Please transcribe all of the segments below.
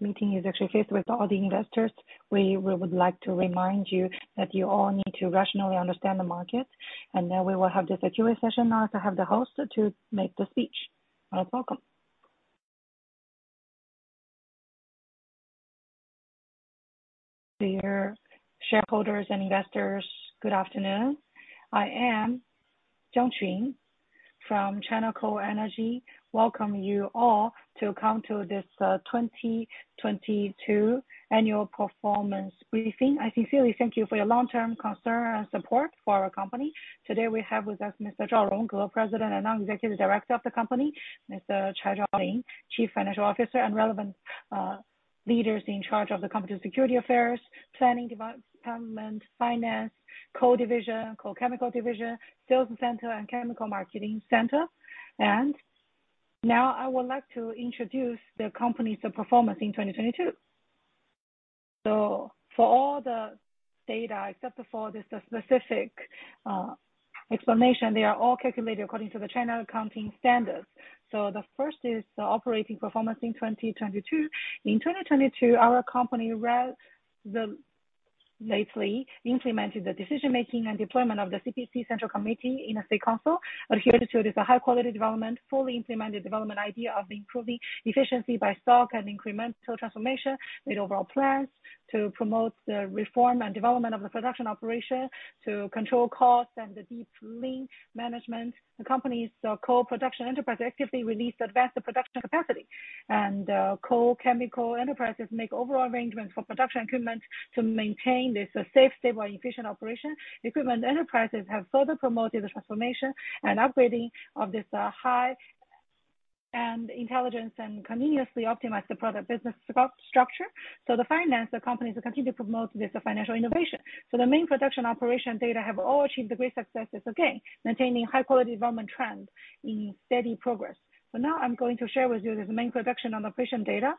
This meeting is actually faced with all the investors. We would like to remind you that you all need to rationally understand the market. Now we will have the security session. Now I have the host to make the speech. Most welcome. Dear shareholders and investors, good afternoon. I am Jiang Qun from China Coal Energy. Welcome you all to come to this 2022 annual performance briefing. I sincerely thank you for your long-term concern and support for our company. Today, we have with us Mr. Zhao Rongzhe, President and Executive Director of the company, Mr. Chai Qiaolin, Chief Financial Officer, and relevant leaders in charge of the company's security affairs, planning, development, finance, coal division, coal chemical division, sales center, and chemical marketing center. Now, I would like to introduce the company's performance in 2022. For all the data, except for the specific explanation, they are all calculated according to the Chinese Accounting Standards. The first is the operating performance in 2022. In 2022, our company lately implemented the decision-making and deployment of the CPC Central Committee in a State Council. Adhered to this a high-quality development, fully implemented development idea of improving efficiency by stock and incremental transformation with overall plans to promote the reform and development of the production operation to control costs and the deep lean management. The company's coal production enterprise actively released advanced the production capacity. Coal chemical enterprises make overall arrangements for production equipment to maintain this safe, stable, and efficient operation. Equipment enterprises have further promoted the transformation and upgrading of this high-end intelligence and continuously optimize the product business structure. The finance, the companies continue to promote this financial innovation. The main production operation data have all achieved great successes again, maintaining high-quality development trend in steady progress. Now I'm going to share with you the main production and operation data.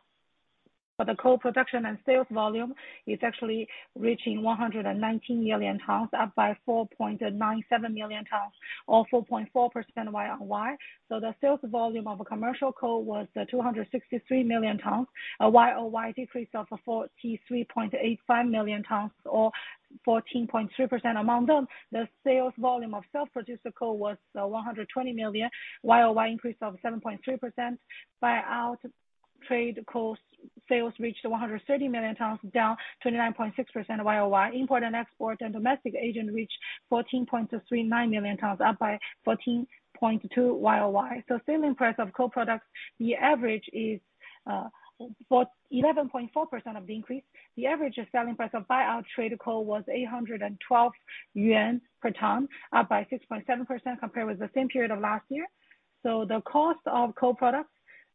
For the coal production and sales volume is actually reaching 119 million tons, up by 4.97 million tons or 4.4% YoY. The sales volume of commercial coal was 263 million tons, a YoY decrease of 43.85 million tons or 14.3%. Among them, the sales volume of self-produced coal was 120 million tons, a YoY increase of 7.3%. Buyout trade call sales reached 130 million tons, down 29.6% YoY. Import and export and domestic agent reached 14.39 million tons, up by 14.2% YoY. Selling price of coal products, the average is for 11.4% of the increase. The average selling price of buyout trade call was 812 yuan per ton, up by 6.7% compared with the same period of last year. The cost of coal products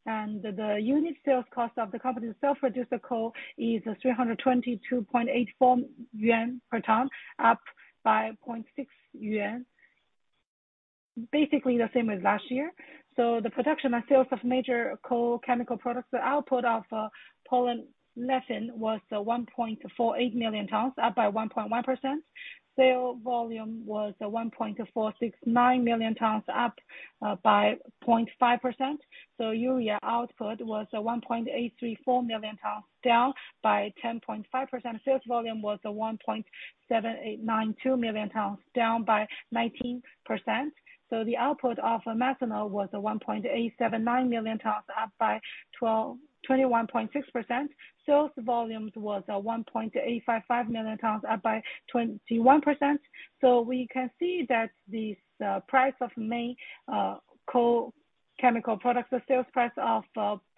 and the unit sales cost of the company's self-produced coal is 322.84 yuan per ton, up by 0.6 yuan. Basically the same as last year. The production and sales of major coal chemical products, the output of polyethylene was 1.48 million tons, up by 1.1%. Sale volume was 1.469 million tons, up by 0.5%. Urea output was 1.834 million tons, down by 10.5%. Sales volume was 1.7892 million tons, down by 19%. The output of methanol was 1.879 million tons, up by 21.6%. Sales volumes was 1.855 million tons, up by 21%. We can see that these price of main coal chemical products, the sales price of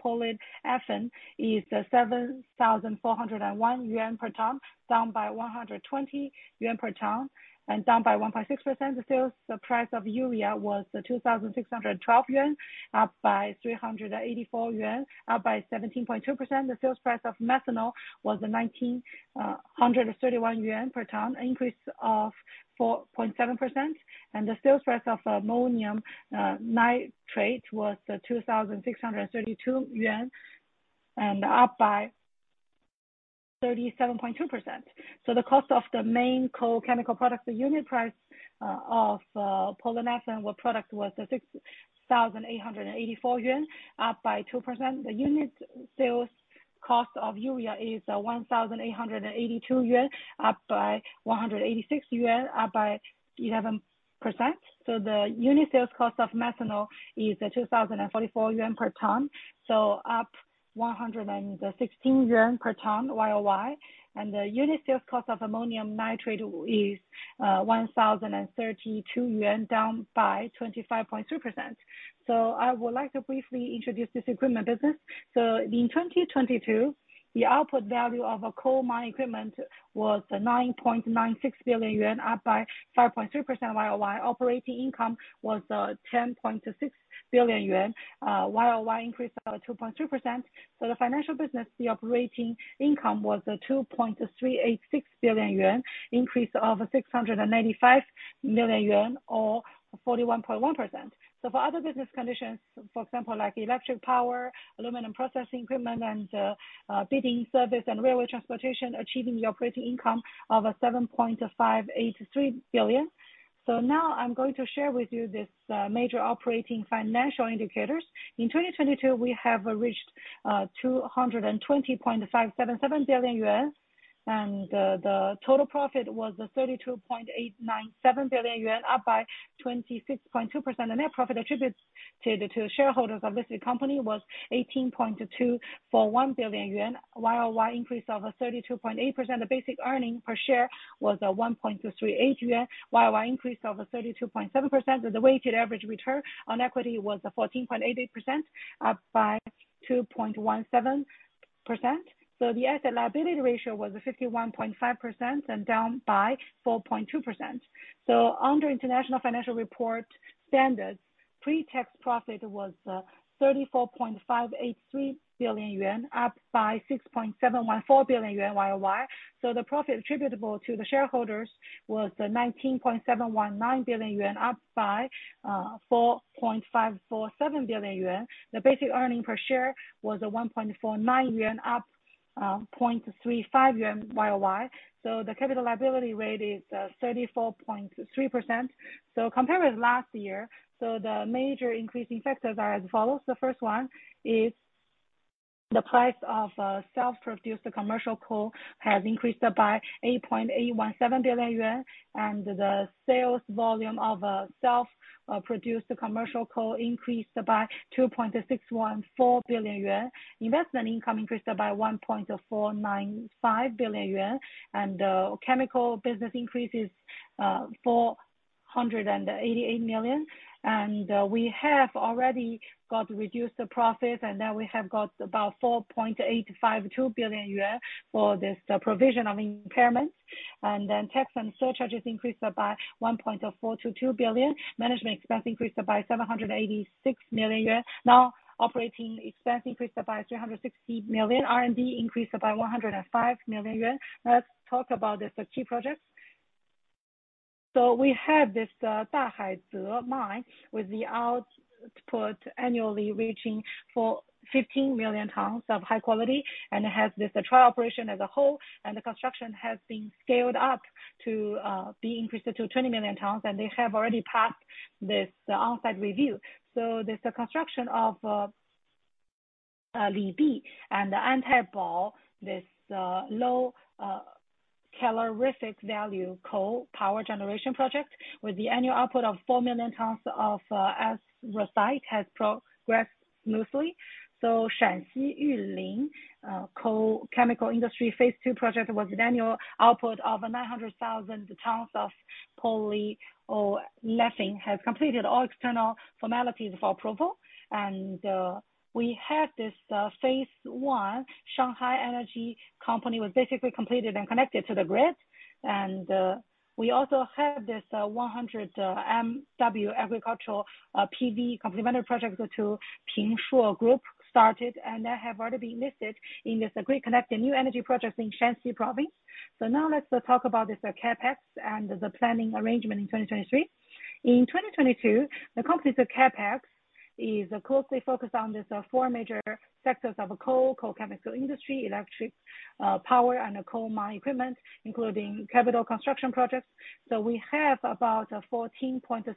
polyethylene is 7,401 yuan per ton, down by 120 yuan per ton and down by 1.6%. The sales price of urea was 2,612 yuan, up by 384 yuan, up by 17.2%. The sales price of methanol was 1,931 yuan per ton, increase of 4.7%. The sales price of ammonium nitrate was 2,632 yuan and up by 37.2%. The cost of the main coal chemical products, the unit price of polyethylene product was 6,884 yuan, up by 2%. The unit sales cost of urea is 1,882 yuan, up by 186 yuan, up by 11%. The unit sales cost of methanol is 2,044 yuan per ton, up 116 yuan per ton YoY. The unit sales cost of ammonium nitrate is 1,032 yuan, down by 25.3%. I would like to briefly introduce this equipment business. In 2022, the output value of a coal mine equipment was 9.96 billion yuan, up by 5.3% YoY. Operating income was 10.6 billion yuan, YoY increase of 2.3%. The financial business, the operating income was 2.386 billion yuan, increase of 695 million yuan or 41.1%. For other business conditions, for example, like electric power, aluminum processing equipment and bidding service and railway transportation, achieving the operating income of 7.583 billion. Now I'm going to share with you this major operating financial indicators. In 2022, we have reached 220.577 billion yuan. The total profit was 32.897 billion yuan, up by 26.2%. The net profit attributes to the shareholders of this company was 18.241 billion yuan, YoY increase of 32.8%. The basic earning per share was 1.238 yuan, YoY increase of 32.7%. The weighted average return on equity was 14.88%, up by 2.17%. The asset liability ratio was 51.5% and down by 4.2%. Under International Financial Reporting Standards, pre-tax profit was 34.583 billion yuan, up by 6.714 billion yuan YoY. The profit attributable to the shareholders was 19.719 billion yuan, up by 4.547 billion yuan. The basic earning per share was 1.49 yuan, up 0.35 yuan YoY. The capital liability rate is 34.3%. Compared with last year, the major increasing factors are as follows. The first one is the price of self-produced commercial coal has increased by 8.817 billion yuan. The sales volume of self-produced commercial coal increased by 2.614 billion yuan. Investment income increased by 1.495 billion yuan. Chemical business increase is 488 million. We have already got reduced profit, we have got about 4.852 billion yuan for this provision of impairments. Tax and surcharges increased by 1.422 billion. Management expense increased by 786 million yuan. Operating expense increased by 360 million, increased by 105 million yuan. Let's talk about the key projects. We have this Dahaize mine with the output annually reaching for 15 million tons of high quality, and it has this trial operation as a whole. The construction has been scaled up to be increased to 20 million tons, and they have already passed this on-site review. This construction of Libi and the Antaibao, this low calorific value coal power generation project with the annual output of 4 million tons of anthracite has progressed smoothly. Shaanxi Yulin coal chemical industry phase II project was annual output of 900,000 tons of polyolefin, has completed all external formalities of approval. We have this phase I Shanghai Energy Company was basically completed and connected to the grid. We also have this 100 MW agricultural PV complementary project to Pingshuo Group started and they have already been listed in this grid-connected new energy projects in Shanxi province. Now let's talk about this CapEx and the planning arrangement in 2023. In 2022, the company's CapEx is closely focused on these four major sectors of coal chemical industry, electric power and coal mine equipment, including capital construction projects. We have about 14.78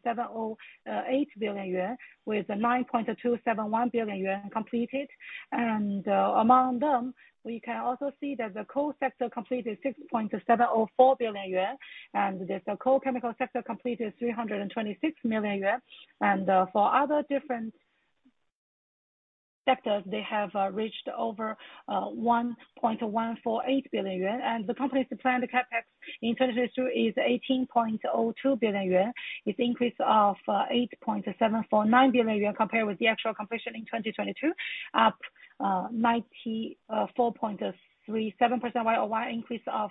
billion yuan, with 9.271 billion yuan completed. Among them, we can also see that the coal sector completed 6.74 billion yuan. This coal chemical sector completed 326 million yuan. For other different sectors, they have reached over 1.148 billion yuan. The company's planned CapEx in 2022 is 18.02 billion yuan, with increase of 8.749 billion yuan compared with the actual completion in 2022, up 94.37% YoY, increase of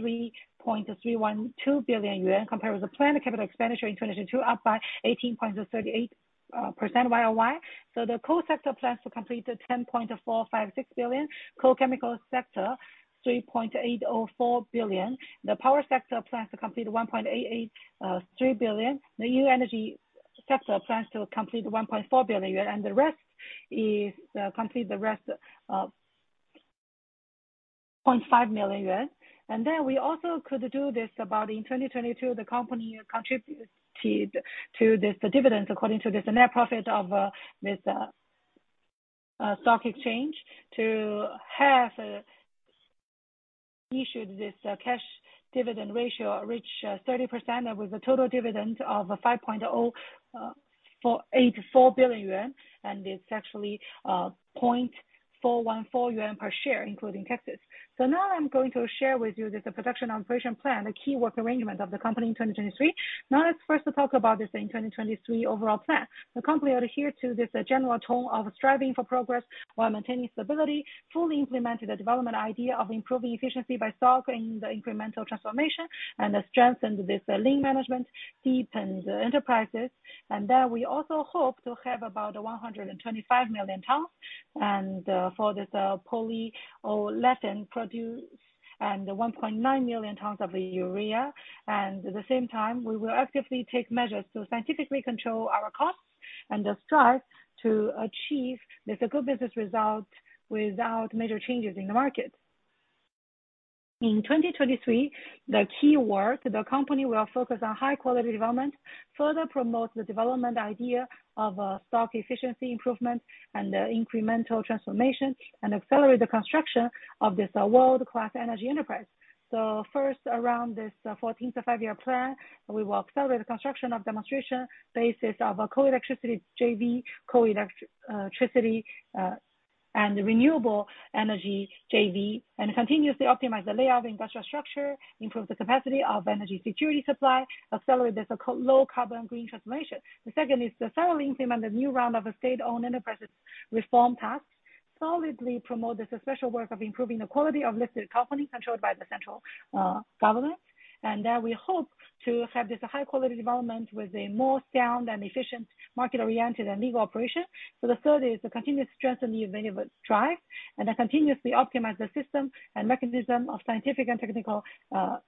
3.312 billion yuan compared with the planned capital expenditure in 2022, up by 18.38% YoY. The coal sector plans to complete 10.456 billion, coal chemical sector 3.804 billion. The power sector plans to complete 1.883 billion. The new energy sector plans to complete 1.4 billion, and the rest is complete the rest of 0.5 million yuan. We also could do this about in 2022, the company contributed to this, the dividends, according to this net profit of this stock exchange to have issued this cash dividend ratio reach 30% with a total dividend of 5.484 billion yuan. It's actually 0.414 yuan per share, including taxes. Now I'm going to share with you this production operation plan, the key work arrangement of the company in 2023. Now let's first talk about this in 2023 overall plan. The company will adhere to this general tone of striving for progress while maintaining stability, fully implementing the development idea of improving efficiency by safeguarding the incremental transformation and strengthen this lean management, deepen the enterprises. We also hope to have about 125 million tons for this polyolefin produce and 1.9 million tons of urea. At the same time, we will actively take measures to scientifically control our costs and strive to achieve this good business result without major changes in the market. In 2023, the key work the company will focus on high quality development, further promote the development idea of stock efficiency improvement and the incremental transformation, and accelerate the construction of this world-class energy enterprise. First, around this 14th Five-Year Plan, we will accelerate the construction of demonstration basis of a co-electricity JV, co-electricity, and renewable energy JV, and continuously optimize the layout of industrial structure, improve the capacity of energy security supply, accelerate this low carbon green transformation. The second is to thoroughly implement the new round of state-owned enterprises reform tasks, solidly promote this special work of improving the quality of listed companies controlled by the central government. We hope to have this high quality development with a more sound and efficient, market-oriented and legal operation. The third is to continuously strengthen the available drive and then continuously optimize the system and mechanism of scientific and technical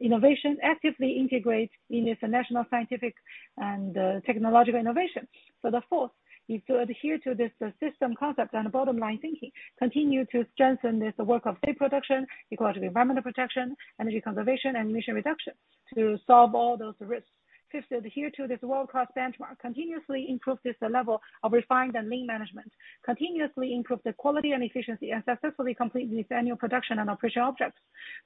innovation, actively integrate in this national scientific and technological innovation. The fourth is to adhere to this system concept and bottom line thinking, continue to strengthen this work of safe production, ecological environmental protection, energy conservation and emission reduction to solve all those risks. Fifth, adhere to this world-class benchmark, continuously improve this level of refined and lean management, continuously improve the quality and efficiency, and successfully complete these annual production and operation objectives.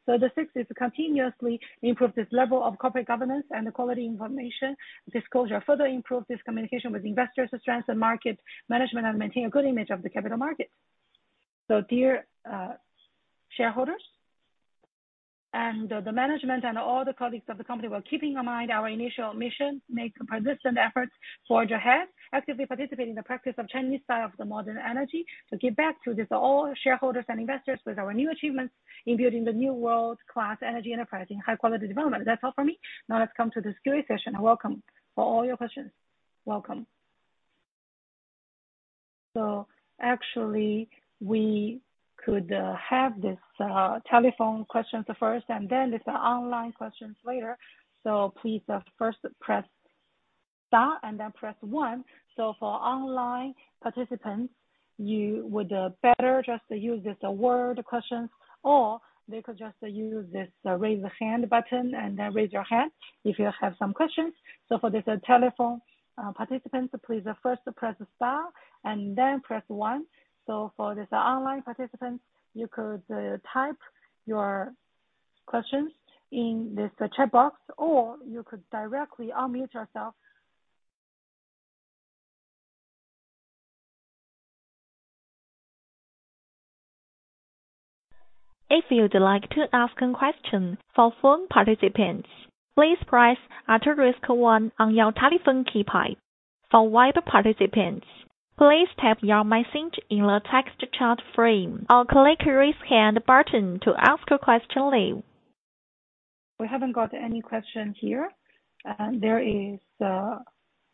The sixth is to continuously improve this level of corporate governance and the quality information disclosure, further improve this communication with investors to strengthen market management and maintain a good image of the capital markets. Dear shareholders, and the management and all the colleagues of the company, we're keeping in mind our initial mission, make persistent efforts, forge ahead, actively participate in the practice of Chinese style of the modern energy, to give back to this all shareholders and investors with our new achievements in building the new world-class energy enterprise in high quality development. That's all for me. Now let's come to this Q&A session. Welcome for all your questions. Welcome. Actually we could have this telephone questions first and then the online questions later. Please first press star and then press one. For online participants, you would better just use this word questions, or they could just use this raise a hand button and then raise your hand if you have some questions. For this telephone participants, please first press star and then press one. For this online participants, you could type your questions in this chat box, or you could directly unmute yourself. If you'd like to ask a question for phone participants, please press asterisk one on your telephone keypad. For web participants, please type your message in the text chat frame or click raise hand button to ask a question live. We haven't got any question here. There is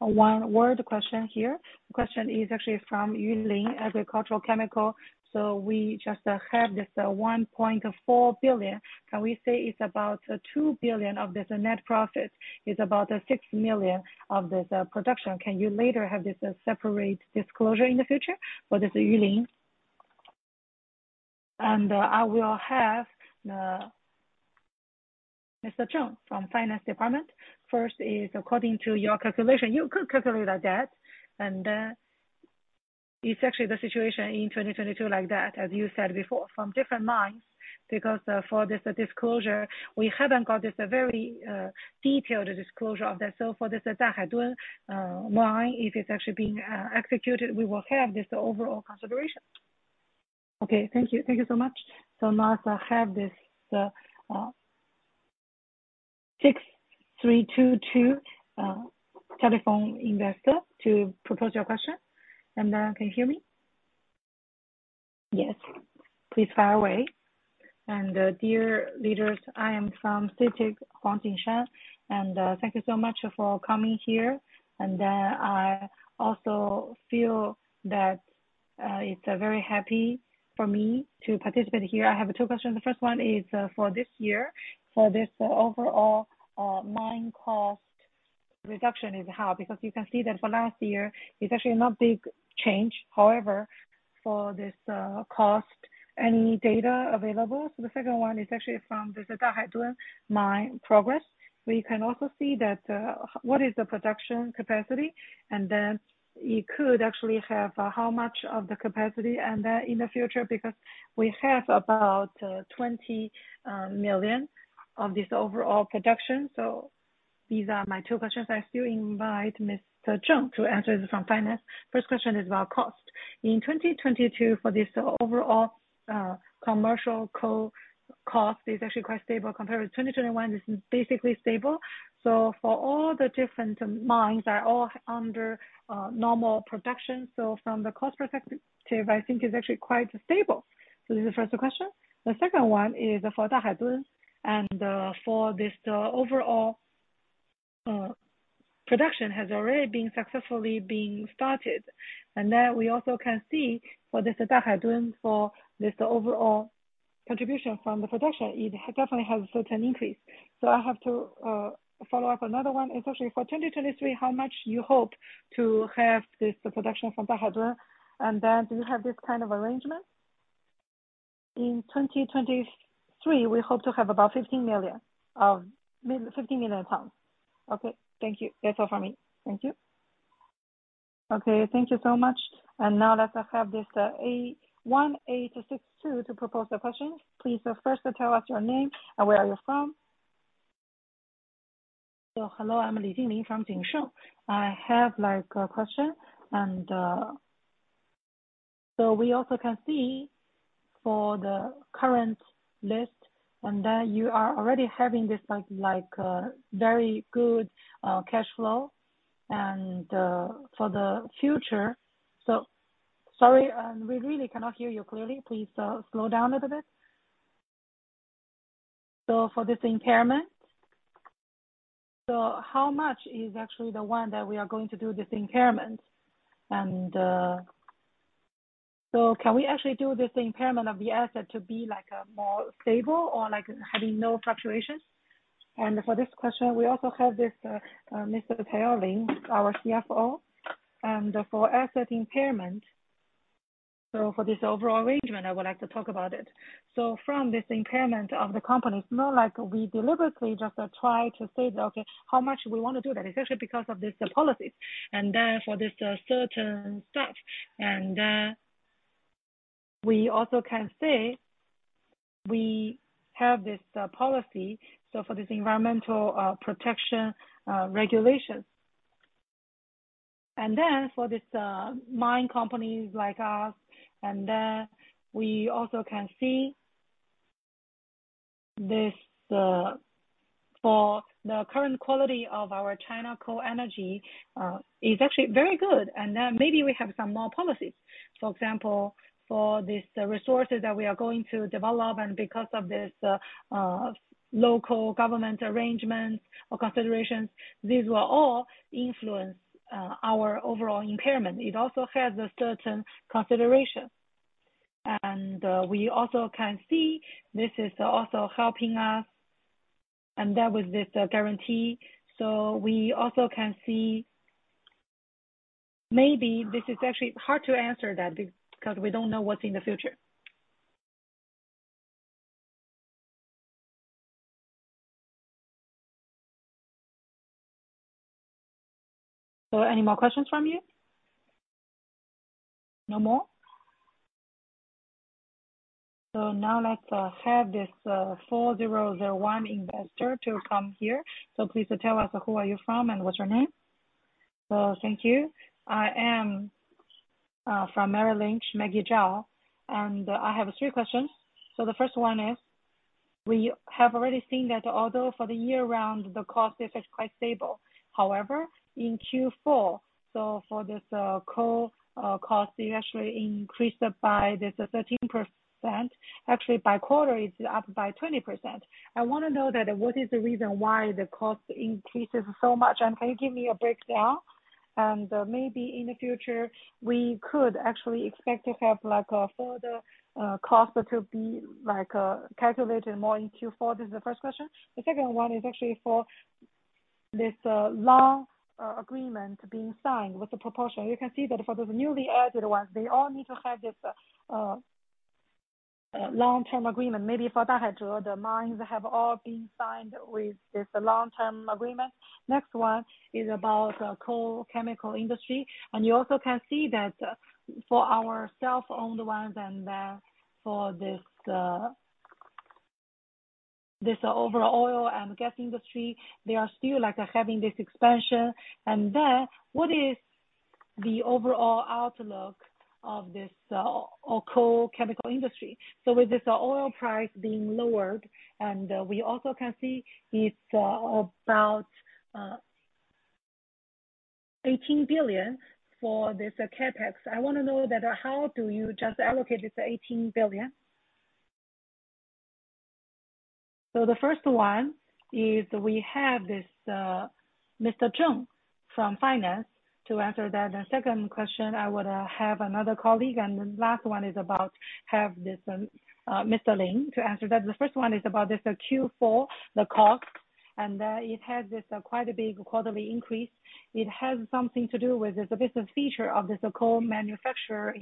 one-word question here. The question is actually from Yulin Energy Chemical. We just have this 1.4 billion. Can we say it's about 2 billion of this net profit, it's about 6 million of this production. Can you later have this separate disclosure in the future for this Yulin? I will have Mr. Chung from Finance Department. First is according to your calculation, you could calculate that. It's actually the situation in 2022 like that, as you said before, from different mines. For this disclosure, we haven't got this very detailed disclosure of that. For this Dahaize mine, if it's actually being executed, we will have this overall consideration. Okay. Thank you. Thank you so much. Now let's have this 6322 telephone investor to propose your question. Can you hear me? Yes. Please fire away. Dear leaders, I am from CITIC Huang Jingshan. Thank you so much for coming here. I also feel that it's very happy for me to participate here. I have two questions. The first one is for this year, for this overall mine cost reduction is how? You can see that for last year it's actually not big change. However, for this cost, any data available? The second one is actually from this Dahaize mine progress. We can also see that, what is the production capacity? Then it could actually have how much of the capacity and in the future because we have about 20 million of this overall production. These are my two questions. I still invite Mr. Chung to answer this from finance. First question is about cost. In 2022 for this overall commercial coal cost is actually quite stable compared with 2021. This is basically stable. For all the different mines are all under normal production. From the cost perspective, I think it's actually quite stable. This is the first question. The second one is for Dahaize and for this overall production has already been successfully being started. Then we also can see for this Dahaize for this overall contribution from the production, it definitely has certain increase. I have to follow up another one, especially for 2023, how much you hope to have this production from Dahaize? Do you have this kind of arrangement? In 2023, we hope to have about 15 million tons. Okay. Thank you. That's all from me. Thank you. Okay, thank you so much. Let us have this 1862 to propose the question. Please first tell us your name and where are you from. Hello, I'm Li Jingming from Jinxion. I have like a question. We also can see for the current list you are already having this like very good cash flow and for the future. Sorry, we really cannot hear you clearly. Please slow down a little bit. For this impairment. How much is actually the one that we are going to do this impairment? Can we actually do this impairment of the asset to be like more stable or like having no fluctuations? For this question, we also have this Mr. Chai Qiaolin, our CFO, and for asset impairment. For this overall arrangement, I would like to talk about it. From this impairment of the company, it's not like we deliberately just try to say, okay, how much we want to do that. It's actually because of this, the policies. For this certain step, we also can say we have this policy, for this environmental protection regulations. For this, mine companies like us, and, we also can see this, for the current quality of our China Coal Energy, is actually very good. Maybe we have some more policies. For example, for this resources that we are going to develop and because of this, local government arrangements or considerations. These will all influence, our overall impairment. It also has a certain consideration. We also can see this is also helping us, and that was this guarantee. We also can see. Maybe this is actually hard to answer that because we don't know what's in the future. Any more questions from you? No more. Now let's have this 4001 investor to come here. Please tell us who are you from and what's your name. Thank you. I am from Merrill Lynch, Maggie Zhao, I have three questions. The first one is, we have already seen that although for the year round the cost is quite stable. However, in Q4, for this coal cost, it actually increased by this 13%. Actually, by quarter, it's up by 20%. I wanna know that what is the reason why the cost increases so much? Can you give me a breakdown? Maybe in the future, we could actually expect to have like a further cost to be like calculated more in Q4. This is the first question. The second one is actually for this long agreement being signed with the proportion. You can see that for the newly added ones, they all need to have this long-term agreement. Maybe for the hydro, the mines have all been signed with this long-term agreement. You also can see that for our self-owned ones and for this overall oil and gas industry, they are still like having this expansion. What is the overall outlook of this coal chemical industry? With this oil price being lowered, and we also can see it's about 18 billion for this CapEx. I wanna know that how do you just allocate this 18 billion? The first one is we have this Mr. Chung from finance to answer that. The second question, I would have another colleague, and the last one is about have this Mr. Ling to answer that. The first one is about this Q4, the cost, and it has this quite a big quarterly increase. It has something to do with this business feature of this coal manufacturer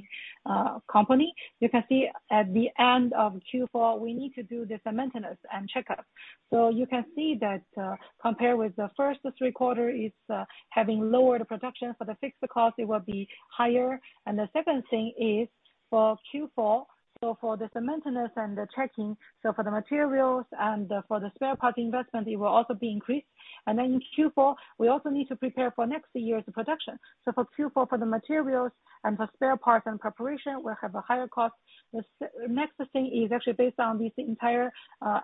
company. You can see at the end of Q4, we need to do this maintenance and checkup. You can see that, compared with the first three quarter, it's having lower the production. For the fixed cost, it will be higher. The second thing is for Q4, for this maintenance and the checking, for the materials and for the spare parts investment, it will also be increased. Q4, we also need to prepare for next year's production. For Q4, for the materials and for spare parts and preparation, we'll have a higher cost. The next thing is actually based on this entire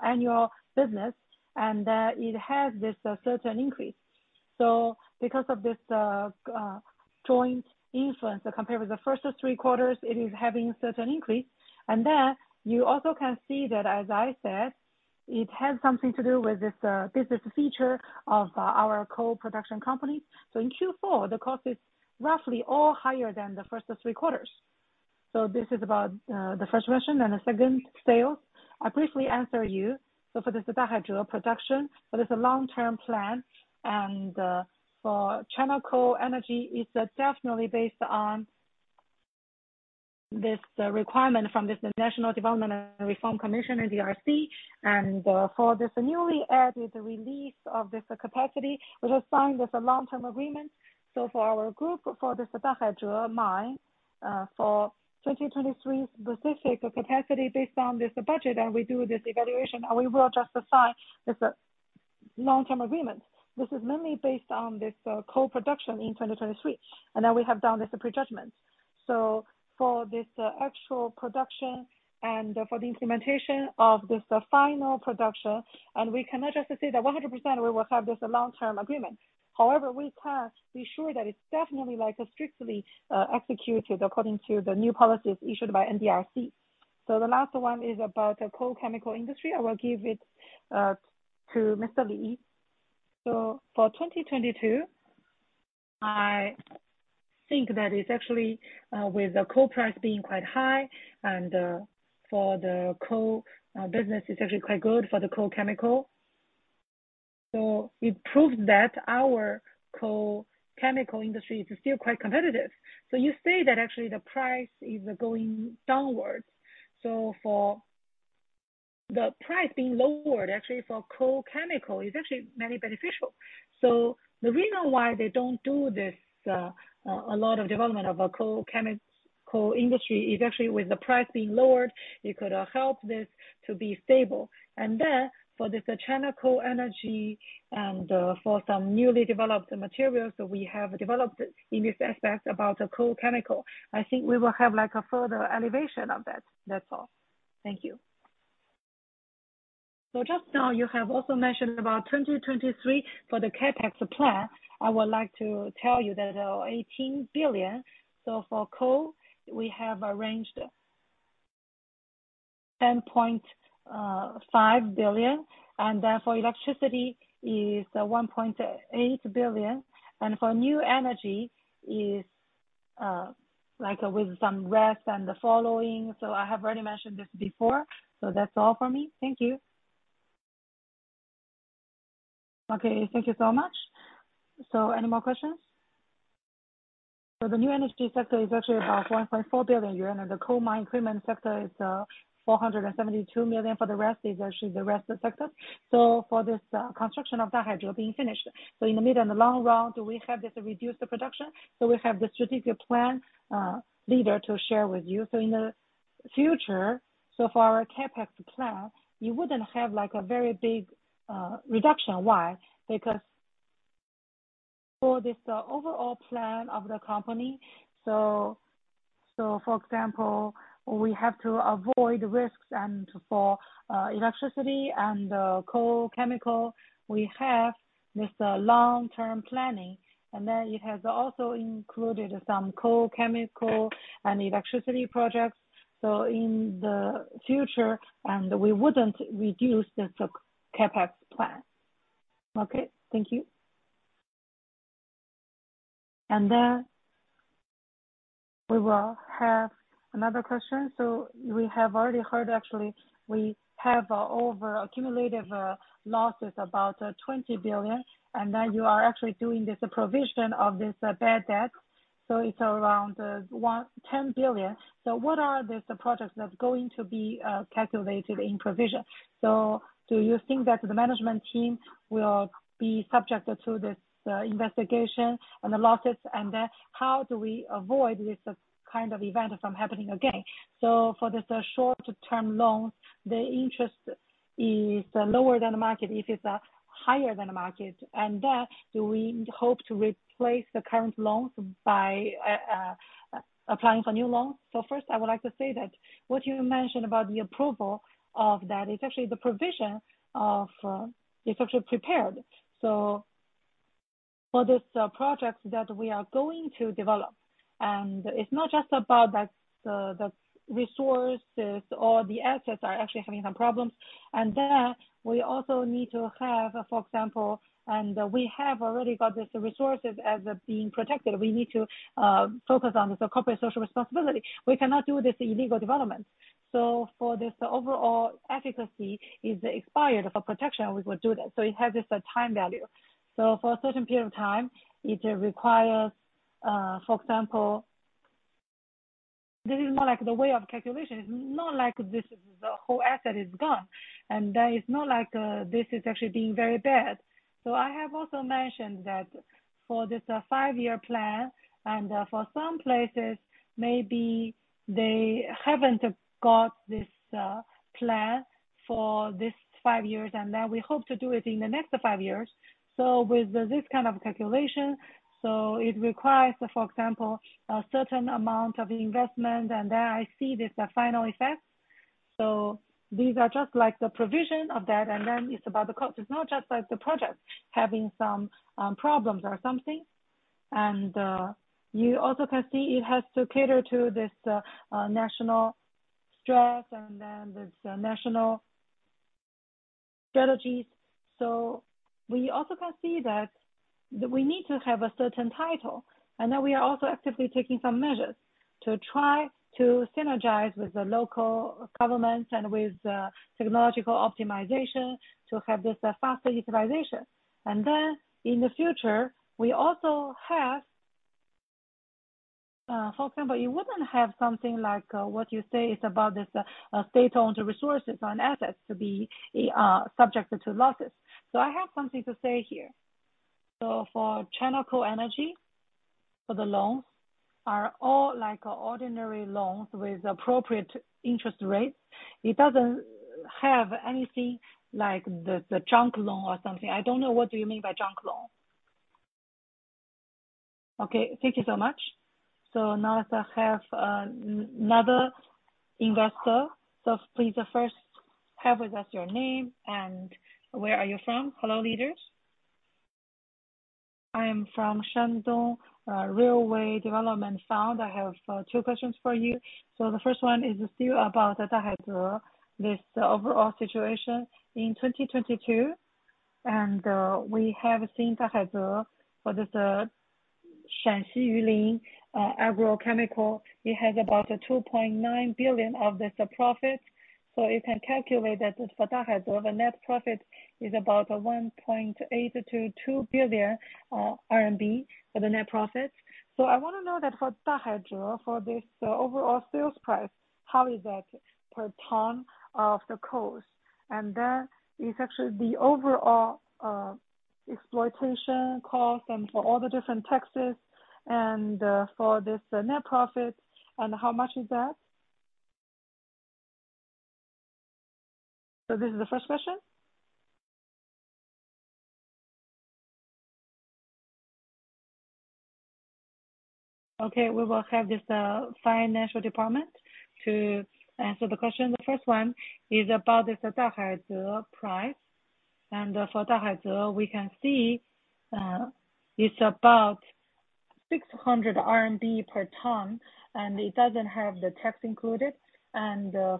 annual business, and then it has this certain increase. Because of this joint influence compared with the first three quarters, it is having certain increase. You also can see that as I said, it has something to do with this business feature of our coal production company. In Q4, the cost is roughly all higher than the first three quarters. This is about the first question and the second sale. I briefly answer you. For this Dahaize production, but it's a long-term plan, and, for chemical energy, it's definitely based on this requirement from this, the National Development and Reform Commission, NDRC, and, for this newly added release of this capacity, we just signed this long-term agreement. For our group, for this Dahaize mine, for 2023 specific capacity based on this budget, and we do this evaluation, and we will just assign this long-term agreement. This is mainly based on this coal production in 2023, and then we have done this prejudgment. For this actual production and for the implementation of this final production, and we cannot just say that 100% we will have this long-term agreement. However, we can be sure that it's definitely like strictly executed according to the new policies issued by NDRC. The last one is about the coal chemical industry. I will give it to Mr. Lee. For 2022, I think that it's actually with the coal price being quite high and for the coal business, it's actually quite good for the coal chemical. It proves that our coal chemical industry is still quite competitive. You say that actually the price is going downwards. For the price being lowered, actually for coal chemical, it's actually very beneficial. The reason why they don't do this, a lot of development of a coal chemical industry is actually with the price being lowered, it could help this to be stable. Then for this, China Coal Energy and for some newly developed materials that we have developed in this aspect about the coal chemical, I think we will have like a further elevation of that. That's all. Thank you. Just now, you have also mentioned about 2023 for the CapEx plan. I would like to tell you that, 18 billion. For coal, we have arranged 10.5 billion, for electricity is 1.8 billion, for new energy is like with some rest and the following. I have already mentioned this before. That's all for me. Thank you. Okay, thank you so much. Any more questions? The new energy sector is actually about 1.4 billion yuan, the coal mine equipment sector is 472 million. For the rest is actually the rest sector. For this construction of Dahaize being finished, in the mid and the long run, do we have this reduced production? We have the strategic plan leader to share with you. In the future, for our CapEx plan, you wouldn't have like a very big reduction. Why? For this, overall plan of the company, for example, we have to avoid risks and for electricity and coal chemical, we have this long-term planning, and then it has also included some coal, chemical, and electricity projects. In the future, we wouldn't reduce this CapEx plan. Okay. Thank you. We will have another question. We have already heard actually, we have over accumulated losses about 20 billion, and then you are actually doing this provision of this bad debt. It's around 10 billion. What are these projects that's going to be calculated in provision? Do you think that the management team will be subjected to this investigation and the losses? How do we avoid this kind of event from happening again? For this short-term loans, the interest is lower than the market. If it's higher than the market, do we hope to replace the current loans by applying for new loans? First, I would like to say that what you mentioned about the approval of that is actually the provision of. It's actually prepared. For this project that we are going to develop, it's not just about that, the resources or the assets are actually having some problems. We also need to have, for example, and we have already got these resources as being protected. We need to focus on the corporate social responsibility. We cannot do this illegal development. For this overall efficacy is expired for protection, we would do that. It has this time value. For a certain period of time, it requires, for example. This is more like the way of calculation. It's not like this. The whole asset is gone. It's not like this is actually being very bad. I have also mentioned that for this five-year plan, and for some places, maybe they haven't got this plan for this five years, and then we hope to do it in the next five years. With this kind of calculation, so it requires, for example, a certain amount of investment, and then I see this, the final effect. These are just like the provision of that, and then it's about the cost. It's not just like the project having some problems or something. You also can see it has to cater to this National stress and then this National Strategies. We also can see that we need to have a certain title. I know we are also actively taking some measures to try to synergize with the local governments and with technological optimization to have this faster utilization. In the future, we also have. For example, you wouldn't have something like what you say is about this state-owned resources and assets to be subjected to losses. I have something to say here. For China Coal Energy, for the loans, are all like ordinary loans with appropriate interest rates. It doesn't have anything like the junk loan or something. I don't know what do you mean by junk loan? Thank you so much. Now I have another investor. Please first have with us your name and where are you from. Hello, Leaders. I am from Shandong Railway Development Fund. I have two questions for you. The first one is still about the Dahaize, this overall situation in 2022. We have seen Dahaize for this Yulin Energy & Chemical. It has about 2.9 billion of this profits. You can calculate that for Dahaize, the net profit is about 1.8 billion-2 billion RMB for the net profit. I wanna know that for Dahaize, for this overall sales price, how is that per ton of the cost? It's actually the overall exploitation cost and for all the different taxes and for this net profit and how much is that? This is the first question. We will have this financial department to answer the question. The first one is about this Dahaize price. For Dahaize, we can see it's about 600 RMB per ton, and it doesn't have the tax included.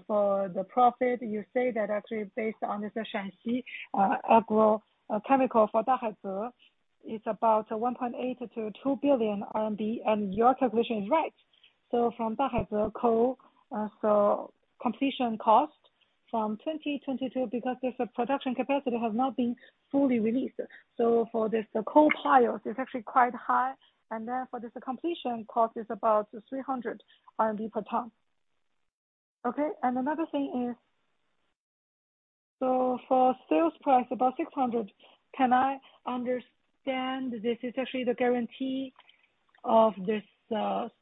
For the profit, you say that actually based on this Shanxi Agro Chemical for Dahaize is about 1.8 billion-2 billion RMB, and your calculation is right. From Dahaize Coal, completion cost from 2022, because this production capacity has not been fully released. For this, the coal price is actually quite high. For this completion cost is about 300 RMB per ton. Another thing is for sales price, about 600, can I understand this is actually the guarantee of this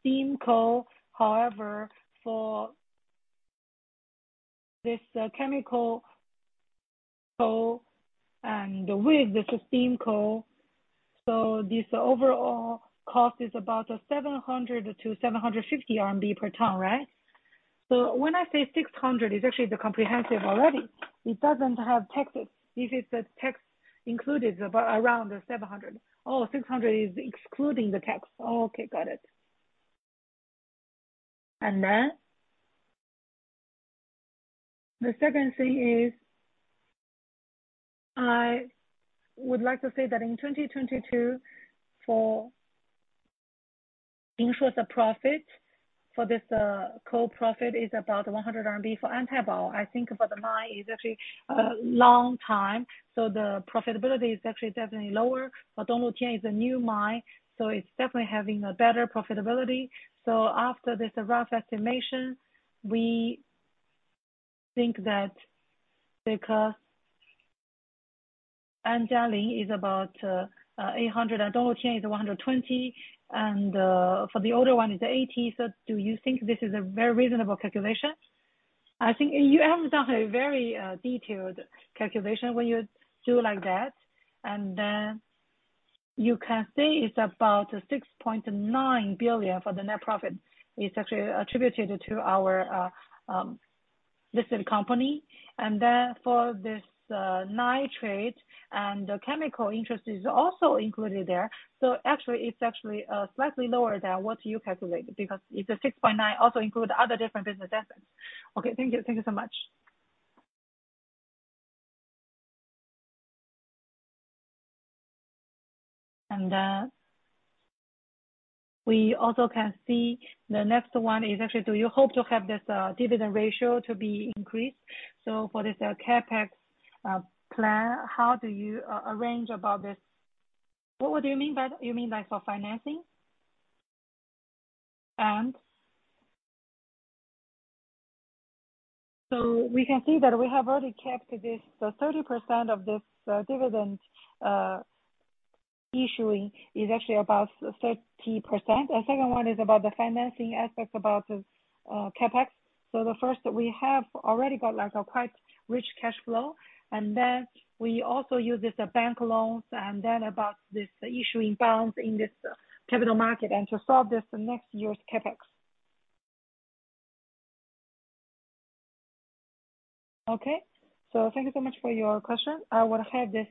steam coal? For this chemical coal and with the steam coal, this overall cost is about 700-750 RMB per ton, right? When I say 600, it's actually the comprehensive already. It doesn't have taxes. If it's the tax included, it's about around the 700. 600 is excluding the tax. Okay, got it. The second thing is, I would like to say that in 2022, for interest, the profit for this coal profit is about 100 RMB for Antaibao. I think about the mine is actually a long time, so the profitability is actually definitely lower. Donglutian is a new mine, so it's definitely having a better profitability. After this rough estimation, we think that because Anjialing is about, 800, and Donglutian is 120, and, for the older one is 80. Do you think this is a very reasonable calculation? I think you have done a very, detailed calculation when you do like that. You can see it's about 6.9 billion for the net profit. It's actually attributed to our, listed company. For this, nitrate and chemical interest is also included there. Actually, it's actually, slightly lower than what you calculated, because it's a 6.9 billion, also include other different business assets. Okay, thank you. Thank you so much. We also can see the next one is actually do you hope to have this, dividend ratio to be increased? For this CapEx plan, how do you arrange about this? What would you mean by that? You mean like for financing? We can see that we have already kept this, 30% of this dividend issuing is actually about 30%. The second one is about the financing aspect about the CapEx. The first, we have already got like a quite rich cash flow. We also use this bank loans about this issuing bonds in this capital market to solve this next year's CapEx. Okay. Thank you so much for your question. I will have this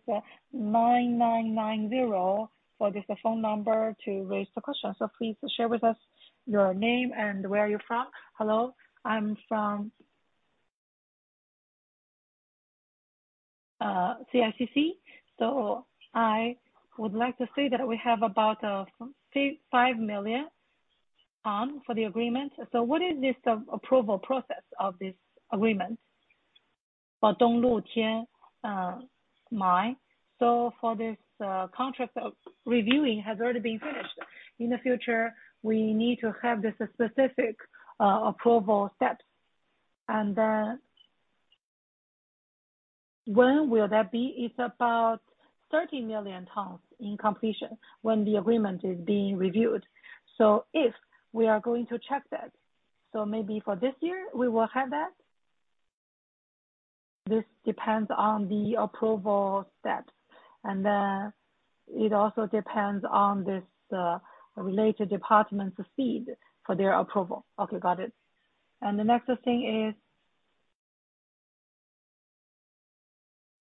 9990 for this phone number to raise the question. Please share with us. Your name and where are you from? Hello. I'm from CICC, I would like to say that we have about 5 million tons for the agreement. What is this approval process of this agreement for Donglutian Mine? For this contract reviewing has already been finished. In the future, we need to have this specific approval steps. When will that be? It's about 30 million tons in completion when the agreement is being reviewed. If we are going to check that, so maybe for this year we will have that. This depends on the approval steps, and it also depends on this related department's fee for their approval. Okay, got it. The next thing is.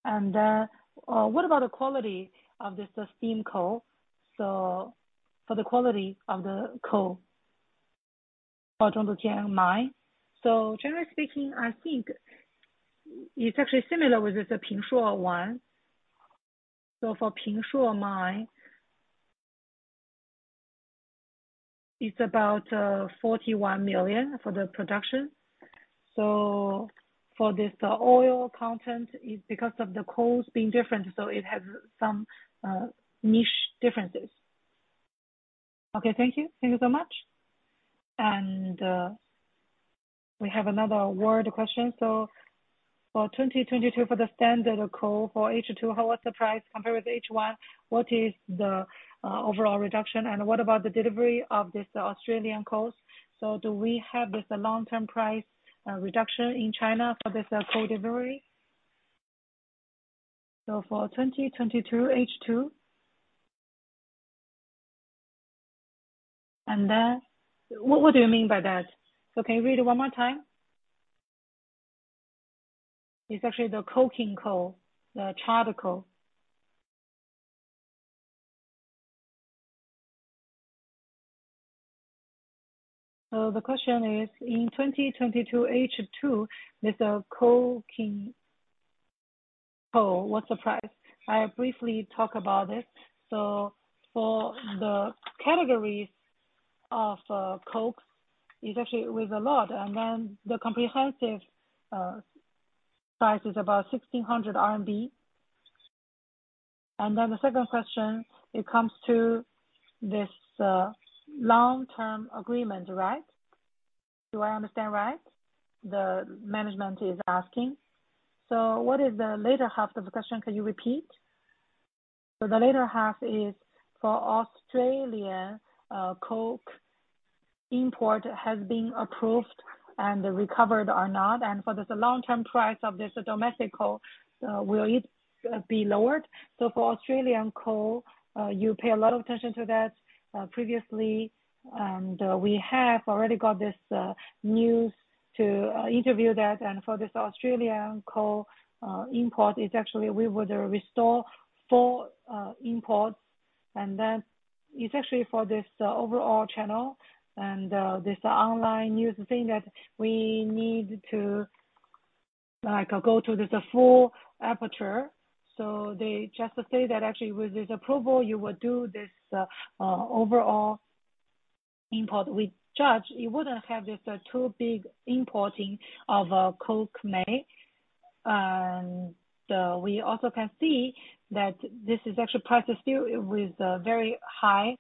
What about the quality of this steam coal? For the quality of the coal for Zhongluotian Mine. Generally speaking, I think it's actually similar with the Pingshuo one. For Pingshuo Mine. It's about 41 million for the production. For this, oil content, it's because of the coals being different, so it has some niche differences. Okay. Thank you. Thank you so much. We have another word question. For 2022, for the standard coal for H2, how was the price compared with H1? What is the overall reduction, and what about the delivery of this Australian coals? Do we have this long-term price reduction in China for this coal delivery? For 2022, H2. What do you mean by that? Okay, read it one more time. It's actually the coking coal, the charter coal. The question is, in 2022, H2, this coking coal, what's the price? I briefly talk about it. For the categories of cokes, it's actually with a lot. The comprehensive price is about 1,600 RMB. The second question, it comes to this long-term agreement, right? Do I understand, right? The management is asking. What is the later half of the question? Can you repeat? The later half is for Australia, coke import has been approved and recovered or not. For this long-term price of this domestic coal, will it be lowered? For Australian coal, you pay a lot of attention to that previously, and we have already got this news to interview that. For this Australian coal, import is actually we would restore full imports. It's actually for this overall channel and this online news thing that we need to, like, go to this full aperture. They just say that actually with this approval, you would do this overall import. We judge it wouldn't have this too big importing of coking. We also can see that this is actually priced still with a very high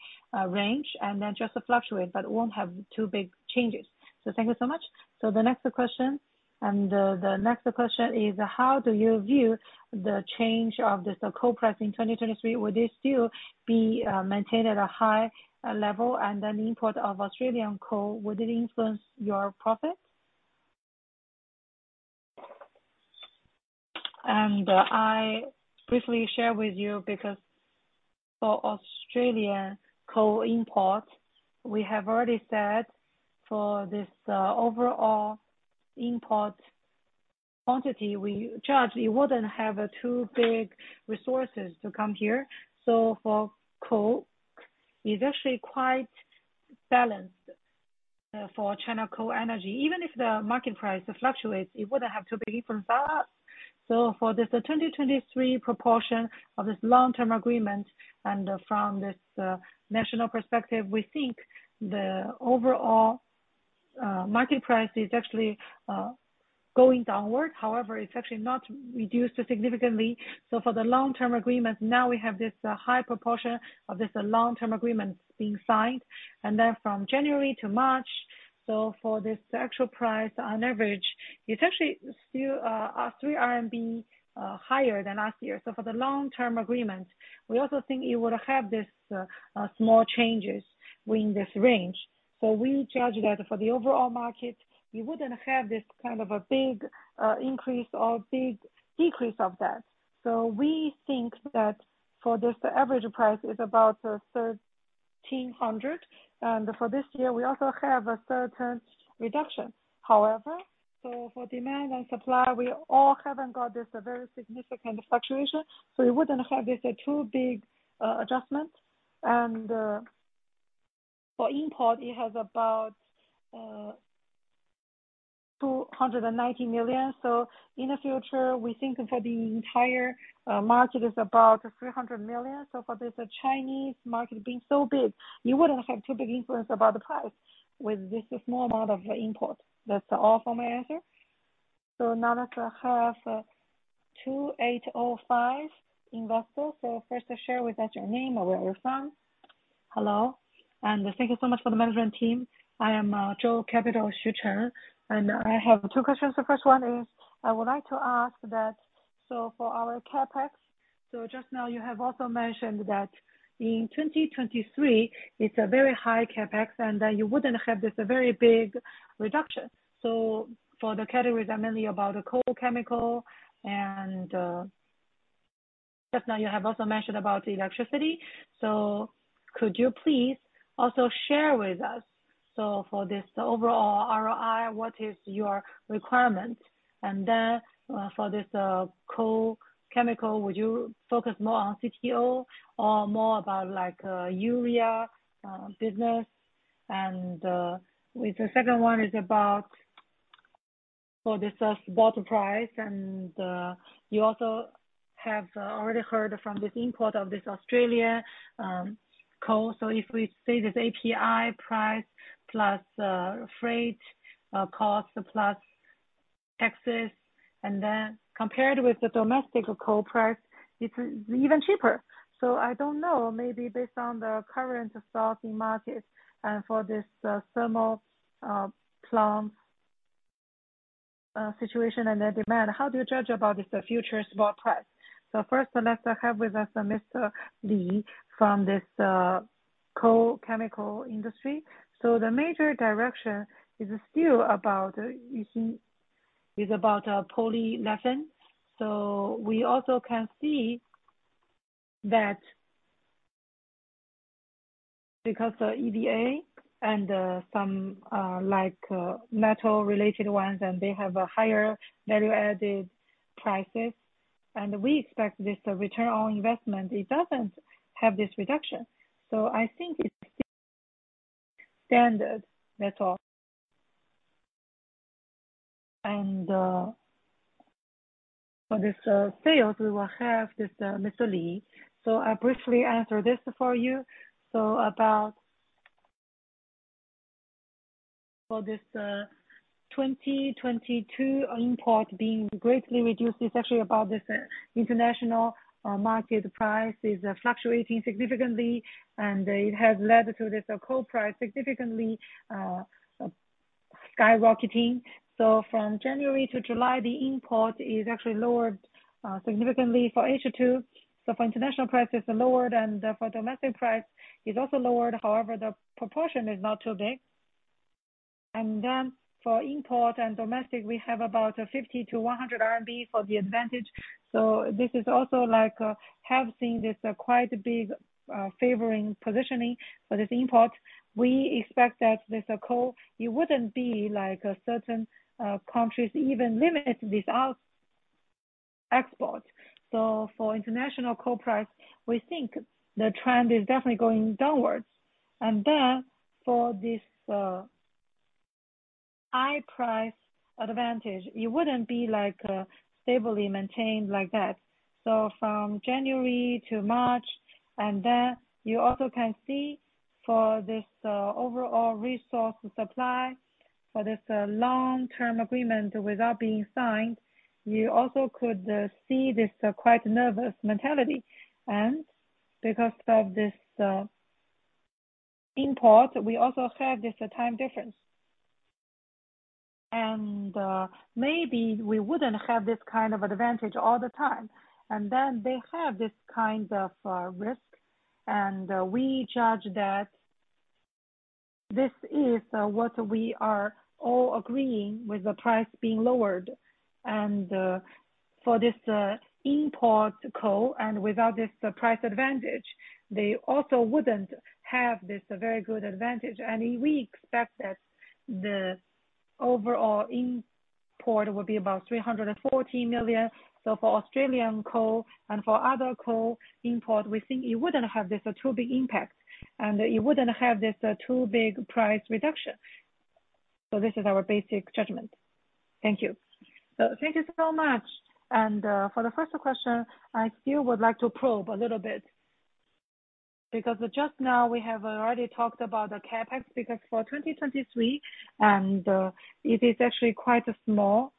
range and then just fluctuate, but it won't have too big changes. Thank you so much. The next question is: How do you view the change of this coal price in 2023? Would this still be maintained at a high level? Import of Australian coal, would it influence your profit? I briefly share with you because for Australian coal imports, we have already said for this overall import quantity, we judge it wouldn't have too big resources to come here. For coal, it's actually quite balanced for China Coal Energy. Even if the market price fluctuates, it wouldn't have too big influence. For this 2023 proportion of this long-term agreement and from this national perspective, we think the overall market price is actually going downward. However, it's actually not reduced significantly. For the long-term agreements, now we have this high proportion of this long-term agreements being signed, and then from January to March. For this actual price on average, it's actually still 3 RMB higher than last year. For the long-term agreements, we also think it would have this small changes within this range. We judge that for the overall market, you wouldn't have this kind of a big increase or big decrease of that. We think that for this average price is about 1,300. For this year, we also have a certain reduction. However, for demand and supply, we all haven't got this very significant fluctuation, so we wouldn't have this too big adjustment. For import, it has about 290 million. In the future, we think that the entire market is about 300 million. For this Chinese market being so big, you wouldn't have too big influence about the price with this small amount of import. That's all for my answer. Now let's have 2805 investor. First share with us your name and where are you from. Hello, thank you so much for the management team. I am Zhao Capital Xuchen, and I have two questions. The first one is, I would like to ask that, for our CapEx, just now you have also mentioned that in 2023, it's a very high CapEx, and then you wouldn't have this very big reduction. For the categories, mainly about the coal chemical and just now you have also mentioned about the electricity. Could you please also share with us, for this overall ROI, what is your requirement? For this coal chemical, would you focus more on CTO or more about like urea business? With the second one is about for this spot price. You also have already heard from this import of this Australia coal. If we say this API price plus freight costs plus taxes, and then compared with the domestic coal price, it's even cheaper. I don't know, maybe based on the current sourcing market and for this thermal plant situation and the demand, how do you judge about this future spot price? First, let's have with us Mr. Lee from this coal chemical industry. The major direction is still about, is about polyolefin. We also can see that because the EDA and some like metal related ones, and they have a higher value-added prices, and we expect this return on investment, it doesn't have this reduction. I think it's standard. That's all. For this sales, we will have this Mr. Lee. I'll briefly answer this for you. For this 2022 import being greatly reduced, it's actually about this international market price is fluctuating significantly, and it has led to this coal price significantly skyrocketing. From January to July, the import is actually lowered significantly for H2. For international prices lowered and for domestic price is also lowered. However, the proportion is not too big. For import and domestic, we have about 50-100 RMB for the advantage. This is also like, have seen this quite big, favoring positioning for this import. We expect that with coal, it wouldn't be like a certain, countries even limit this export. For international coal price, we think the trend is definitely going downwards. For this, high price advantage, it wouldn't be like, stably maintained like that. From January to March, you also can see for this, overall resource supply for this, long-term agreement without being signed, you also could see this quite nervous mentality. Because of this, import, we also have this time difference. Maybe we wouldn't have this kind of advantage all the time. They have this kind of risk. We judge that this is what we are all agreeing with the price being lowered. For this import coal and without this price advantage, they also wouldn't have this very good advantage. We expect that the overall import will be about 340 million. For Australian coal and for other coal import, we think it wouldn't have this too big impact, and it wouldn't have this too big price reduction. This is our basic judgment. Thank you. Thank you so much. For the first question, I still would like to probe a little bit, because just now we have already talked about the CapEx, because for 2023 it is actually quite small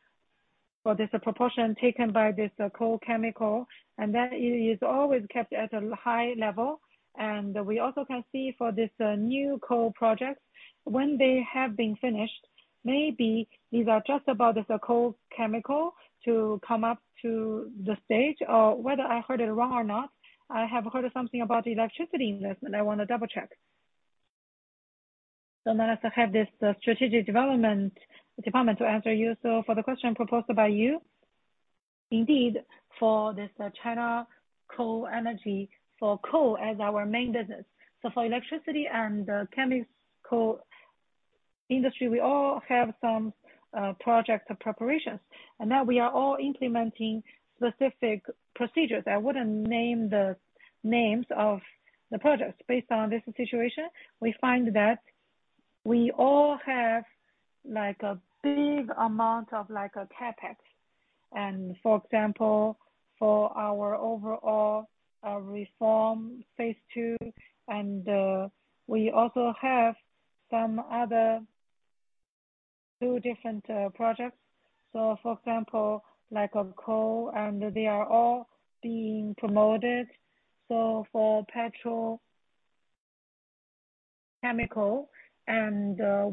for this proportion taken by this coal chemical, and then it is always kept at a high level. And we also can see for this new coal projects when they have been finished, maybe these are just about this coal chemical to come up to the stage or whether I heard it wrong or not. I have heard something about the electricity investment. I want to double-check. So now let's have this strategic development department to answer you. So for the question proposed by you, indeed, for this China Coal Energy, for coal as our main business, so for electricity and chemical industry, we all have some project preparations. And now we are all implementing specific procedures. I wouldn't name the names of the projects based on this situation, we find that we all have like a big amount of like CapEx. And for example, for our overall reform phase II, and we also have some other two different projects. For example, like of coal, and they are all being promoted, so for petrochemical.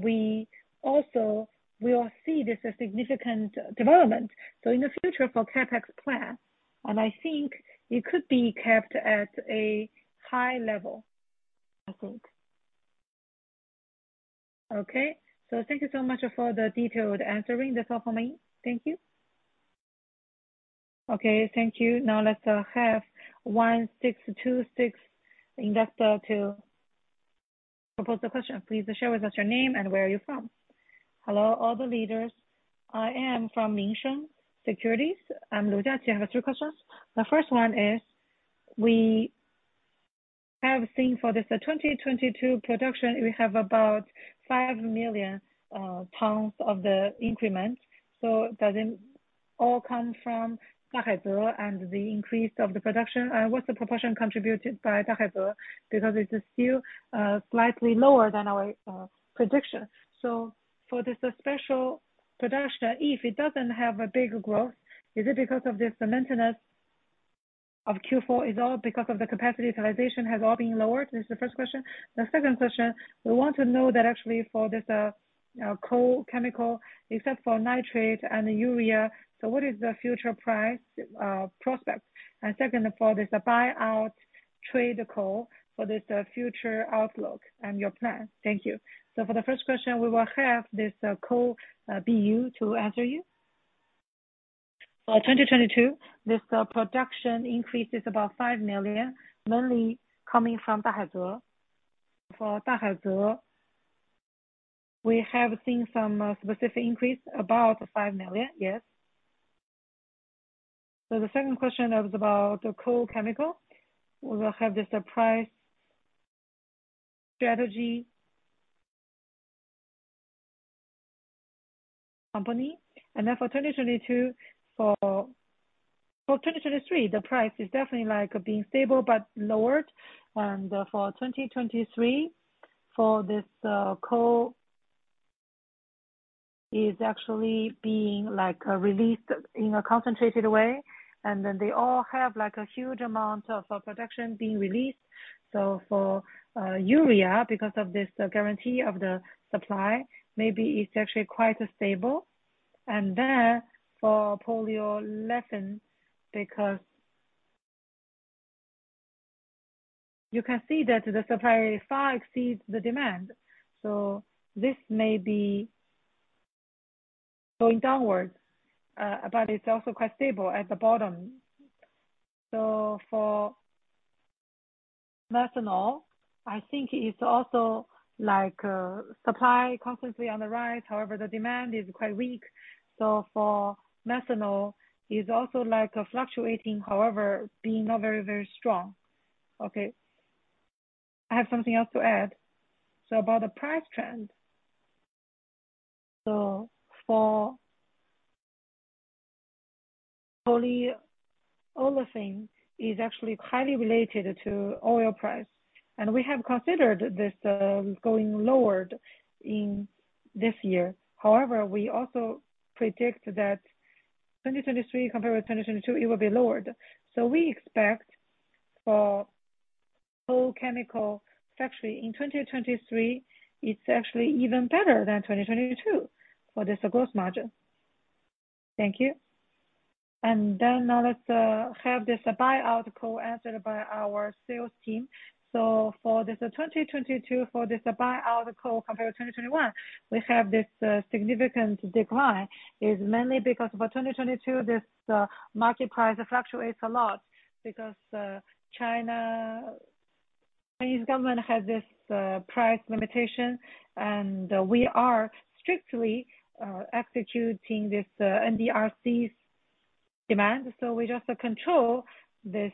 We also will see this significant development, so in the future for CapEx plan, and I think it could be kept at a high level. I think. Okay. Thank you so much for the detailed answering. That's all for me. Thank you. Okay, thank you. Now let's have 1626 investor to propose the question. Please share with us your name and where are you from. Hello, all the leaders. I am from Minsheng Securities. I'm Lu Jia. I have three questions. The first one is, we have seen for this 2022 production, we have about 5 million tons of the increment. Does it all come from Dahaize and the increase of the production? What's the proportion contributed by Dahaize? It is still slightly lower than our prediction. For this special production, if it doesn't have a bigger growth, is it because of the cementiness of Q4? Is it all because of the capacity utilization has all been lowered? This is the first question. The second question, we want to know that actually for this coal chemical, except for nitrate and urea, what is the future price prospect? Second, for this buyout trade call for this future outlook and your plan. Thank you. For the first question, we will have this coal BU to answer you. For 2022, this production increase is about 5 million, mainly coming from Dahaize. For Dahaize, we have seen some specific increase, about 5 million. Yes. The second question was about the coal chemical. We will have this price strategy company. For 2022. For 2023, the price is definitely like being stable but lowered. For 2023, for this coal is actually being like released in a concentrated way. They all have like a huge amount of production being released. For urea, because of this guarantee of the supply, maybe it's actually quite stable. For polyolefin, because you can see that the supply far exceeds the demand. This may be going downwards, but it's also quite stable at the bottom. For methanol, I think it's also like supply constantly on the rise. However, the demand is quite weak. For methanol, it's also like fluctuating, however, being not very, very strong. Okay. I have something else to add. About the price trend. For polyolefin is actually highly related to oil price. We have considered this going lower in this year. However, we also predict that 2023 compared with 2022, it will be lower. We expect for whole chemical factory in 2023, it's actually even better than 2022 for this gross margin. Thank you. Now let's have this buyout call answered by our sales team. For this 2022, for this buyout call compared to 2021, we have this significant decline, is mainly because for 2022, this market price fluctuates a lot because Chinese government has this price limitation. We are strictly executing this NDRC's demand. We just control this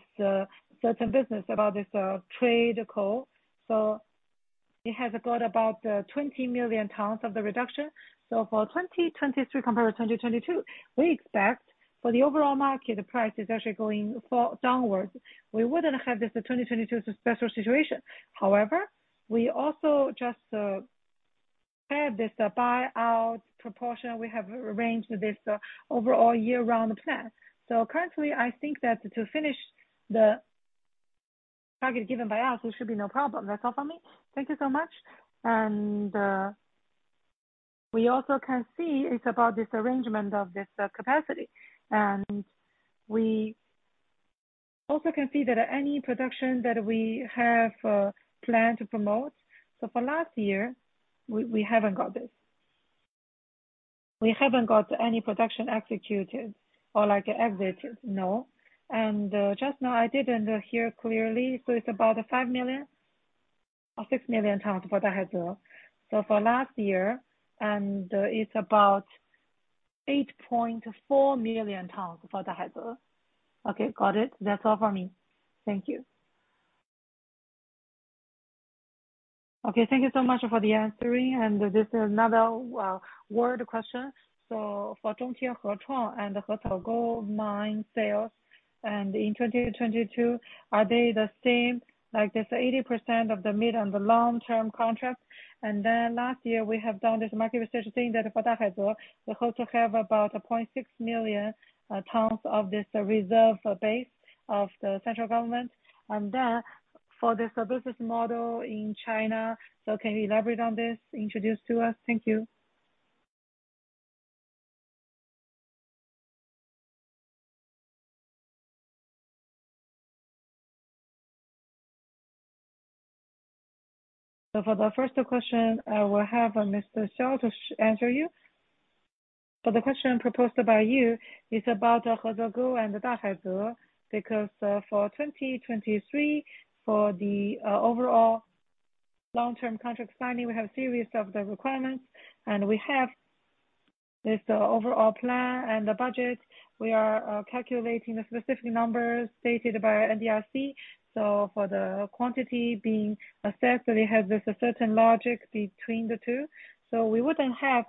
certain business about this trade call. It has got about 20 million tons of the reduction. For 2023 compared to 2022, we expect for the overall market, the price is actually going for downwards. We wouldn't have this 2022 special situation. However, we also just have this buyout proportion. We have arranged this overall year-round plan. Currently, I think that to finish the target given by us, it should be no problem. That's all for me. Thank you so much. We also can see it's about this arrangement of this capacity. We also can see that any production that we have planned to promote. For last year, we haven't got this. We haven't got any production executed or like exit. No. Just now I didn't hear clearly. It's about the 5 million. Of 6 million tons for the. For last year, it's about 8.4 million tons for the. Okay, got it. That's all for me. Thank you. Thank you so much for the answering. This is another word question. For and the mine sales, in 2022, are they the same, like this 80% of the mid- and long-term contract? Last year, we have done this market research saying that for the, we also have about 0.6 million tons of this reserve base of the central government. For this business model in China, can you elaborate on this, introduce to us? Thank you. For the first question, I will have Mr. Xiao to answer you. The question proposed by you is about the Hagazu and the Dahaize, because for 2023, for the overall long-term contract signing, we have a series of the requirements, and we have this overall plan and the budget. We are calculating the specific numbers stated by NDRC. For the quantity being assessed, it has this certain logic between the two. We wouldn't have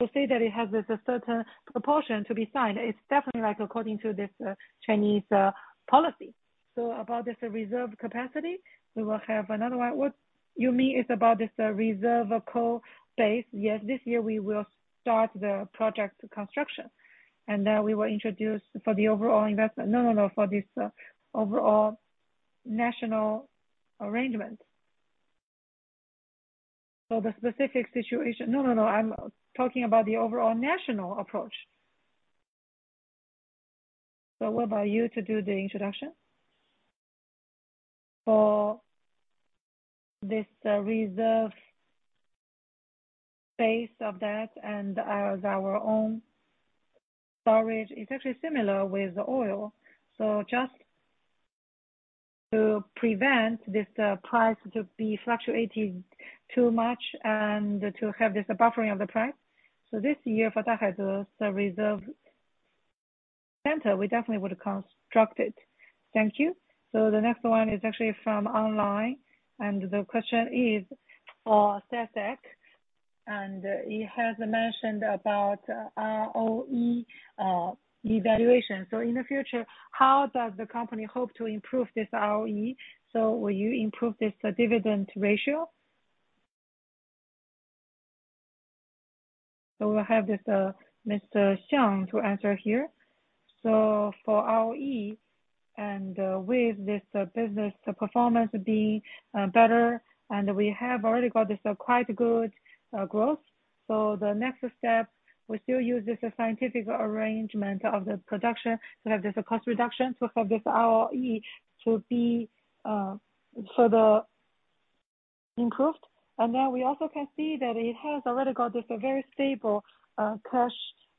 to say that it has this certain proportion to be signed. It's definitely like according to this Chinese policy. About this reserve capacity, we will have another one. What you mean is about this reserve coal base. Yes, this year we will start the project construction, and then we will introduce for the overall investment. No, no, for this overall national arrangement. The specific situation. No, no, I'm talking about the overall national approach. What about you to do the introduction? For this, reserve base of that and as our own storage, it's actually similar with oil. Just to prevent this, price to be fluctuating too much and to have this buffering of the price. This year for the reserve center, we definitely would construct it. Thank you. The next one is actually from online, and the question is for SASAC, and it has mentioned about ROE, evaluation. In the future, how does the company hope to improve this ROE? Will you improve this dividend ratio? We'll have this, Mr. Xiang to answer here. For ROE and, with this, business performance being, better, and we have already got this, quite good, growth. The next step, we still use this scientific arrangement of the production to have this cost reduction to have this ROE to be further improved. We also can see that it has already got this very stable cash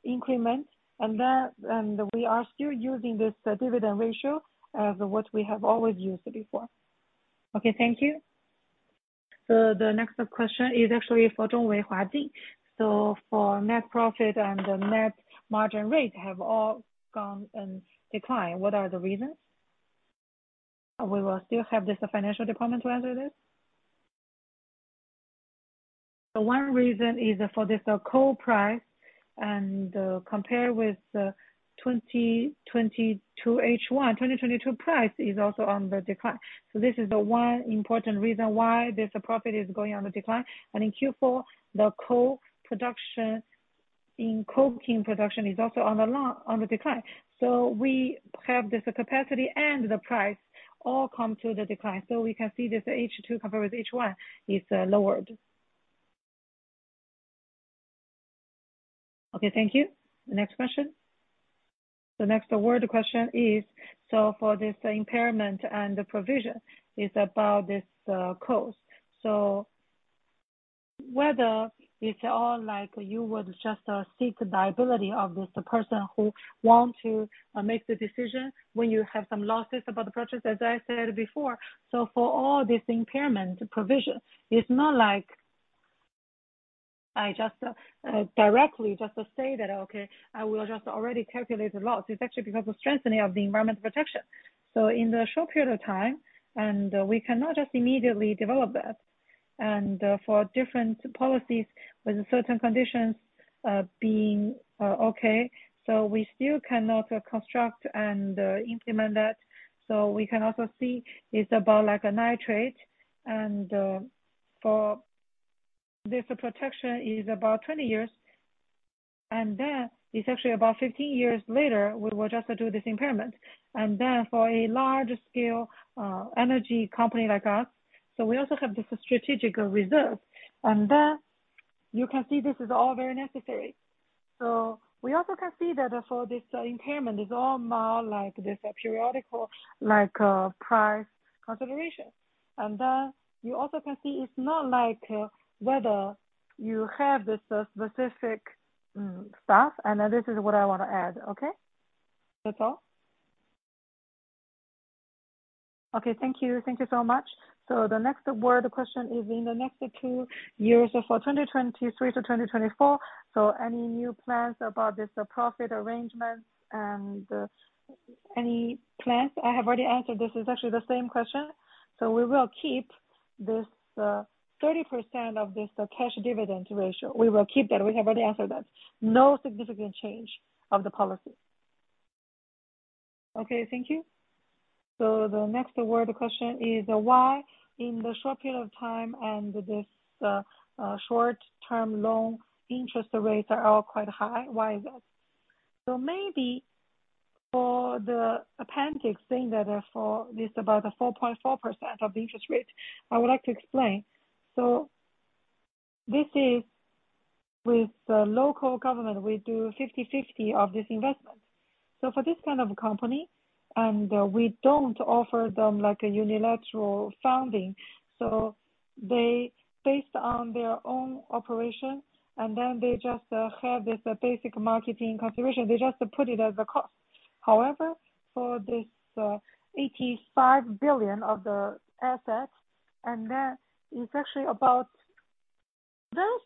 increment, and we are still using this dividend ratio as what we have always used before. Okay, thank you. The next question is actually for Zhongwei Huadi. For net profit and the net margin rate have all gone and declined. What are the reasons? We will still have this financial department to answer this. The one reason is for this coal price and compare with 2022 H1, 2022 price is also on the decline. This is the one important reason why this profit is going on the decline. In Q4, the coal production in coking production is also on the line, on the decline. We have this capacity and the price all come to the decline. We can see this H2 compared with H1 is lowered. Okay, thank you. Next question. The next question is, for this impairment and the provision is about this cost. Whether it's all like you would just seek the liability of this person who want to make the decision when you have some losses about the purchase, as I said before. For all this impairment provision, it's not like I just directly just say that, okay, I will just already calculate the loss. It's actually because of strengthening of the environmental protection. In the short period of time, we cannot just immediately develop that, for different policies with certain conditions being okay, we still cannot construct and implement that. We can also see it's about like a nitrate, for this protection is about 20 years, and then it's actually about 15 years later, we will just do this impairment. For a large scale energy company like us, we also have this strategic reserve, you can see this is all very necessary. We also can see that for this impairment is all more like this periodical, like price consideration. You also can see it's not like whether you have this specific stuff, this is what I wanna add. Okay. That's all. Okay, thank you. Thank you so much. The next word question is in the next two years, for 2023 to 2024, any new plans about this, profit arrangements and, any plans? I have already answered this. This is actually the same question. We will keep this, 30% of this, cash dividend ratio. We will keep that. We have already answered that. No significant change of the policy. Thank you. The next word question is why in the short period of time and this, short-term loan interest rates are all quite high, why is that? Maybe for the appendix saying that, for this about the 4.4% of interest rate, I would like to explain. This is with the local government, we do 50/50 of this investment. For this kind of company, and we don't offer them like a unilateral funding, so they based on their own operation, and then they just have this basic marketing consideration. They just put it as a cost. However, for this 85 billion of the assets, and then Very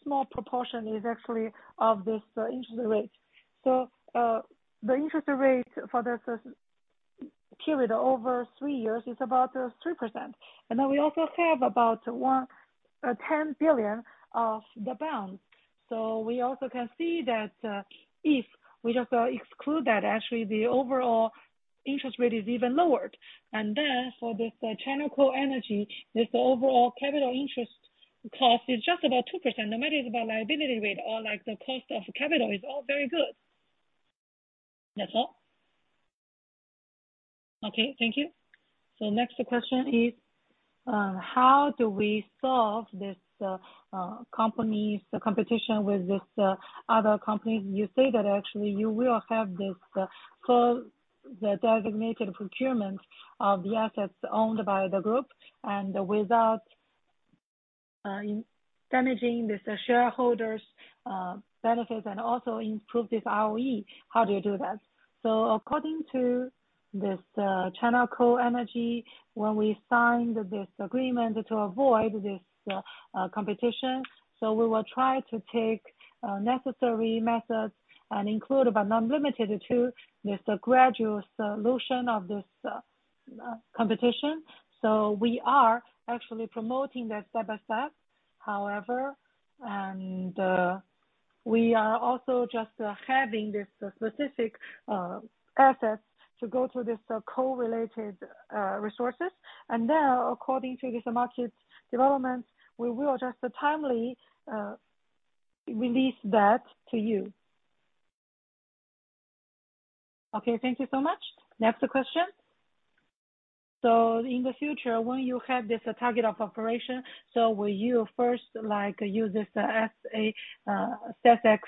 small proportion is actually of this interest rate. The interest rate for this period over three years is about 3%. We also have about 10 billion of the bonds. We also can see that, if we just exclude that, actually the overall interest rate is even lowered. For this China Coal Energy, this overall capital interest cost is just about 2%. No matter it's about liability rate or like the cost of capital is all very good. That's all. Okay, thank you. Next question is, how do we solve this company's competition with other companies? You say that actually you will have this full, the designated procurement of the assets owned by the group and without damaging the shareholders benefits and also improve this ROE. How do you do that? According to this China Coal Energy, when we signed this agreement to avoid this competition, so we will try to take necessary methods and include but not limited to this gradual solution of this competition. We are actually promoting that step by step. However, we are also just having this specific assets to go through this coal-related resources. According to this market development, we will just timely release that to you. Thank you so much. Next question. In the future, when you have this target of operation, will you first like use this as a SASAC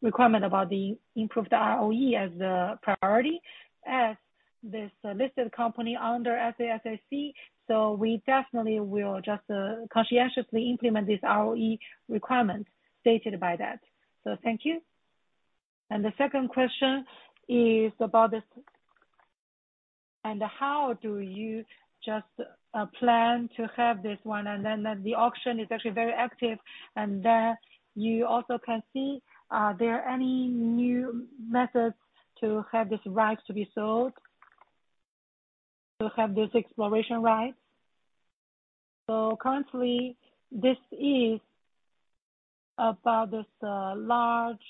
requirement about the improved ROE as a priority as this listed company under SASAC? We definitely will just conscientiously implement this ROE requirement stated by that. Thank you. The second question is about this. How do you just plan to have this one? Then the auction is actually very active. You also can see, are there any new methods to have this rights to be sold, to have this exploration rights? Currently, this is about this large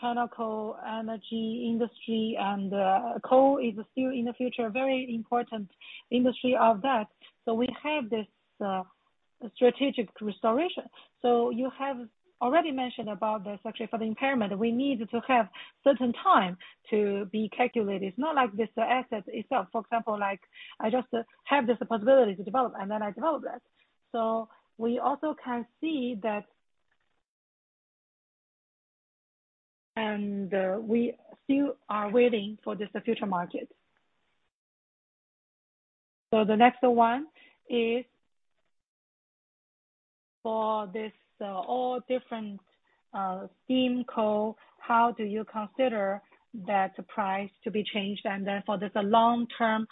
China Coal Energy industry and coal is still in the future very important industry of that. We have this strategic restoration. You have already mentioned about this actually for the impairment, we need to have certain time to be calculated. It's not like this asset itself. For example, like, I just have this possibility to develop, and then I develop that. We also can see that. We still are waiting for this, the future market. The next one is for this, all different, steam coal, how do you consider that price to be changed? And then for this long-term,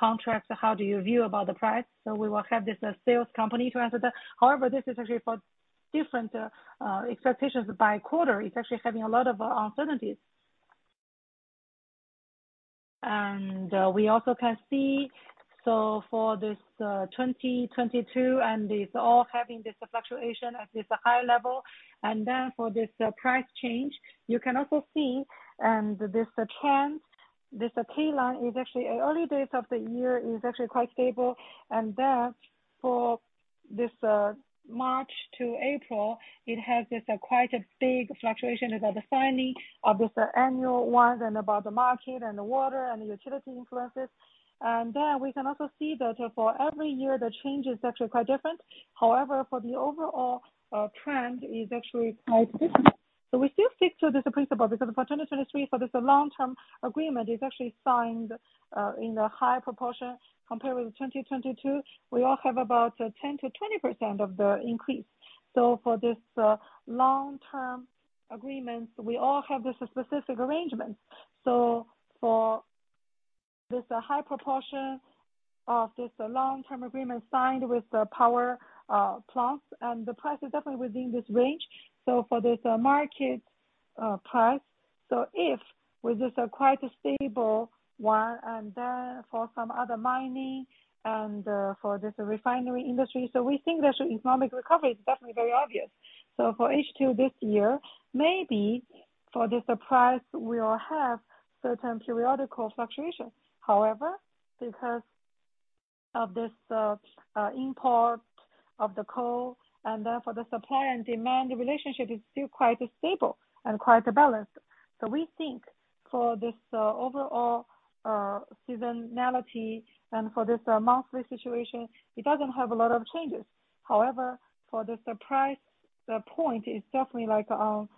contract, how do you view about the price? We will have this, sales company to answer that. However, this is actually for different, expectations by quarter. It's actually having a lot of uncertainties. We also can see, for this, 2022, and it's all having this fluctuation at this high level. For this price change, you can also see this trend, this pay line is actually, early days of the year is actually quite stable. For this March to April, it has this quite a big fluctuation about the signing of this annual ones and about the market and the water and the utility influences. We can also see that for every year, the change is actually quite different. However, for the overall trend is actually quite different. We still stick to this principle because for 2023, this long-term agreement is actually signed in a high proportion compared with 2022. We all have about 10%-20% of the increase. For this long-term agreements, we all have this specific arrangement. There's a high proportion of this long-term agreement signed with the power plants, and the price is definitely within this range. For this market price, if with this quite a stable one, and then for some other mining and for this refinery industry, we think economic recovery is definitely very obvious. For H2 this year, maybe for this price, we'll have certain periodical fluctuations. However, because of this import of the coal and then for the supply and demand, the relationship is still quite stable and quite balanced. We think for this overall seasonality and for this monthly situation, it doesn't have a lot of changes. However, for this price, the point is definitely like, on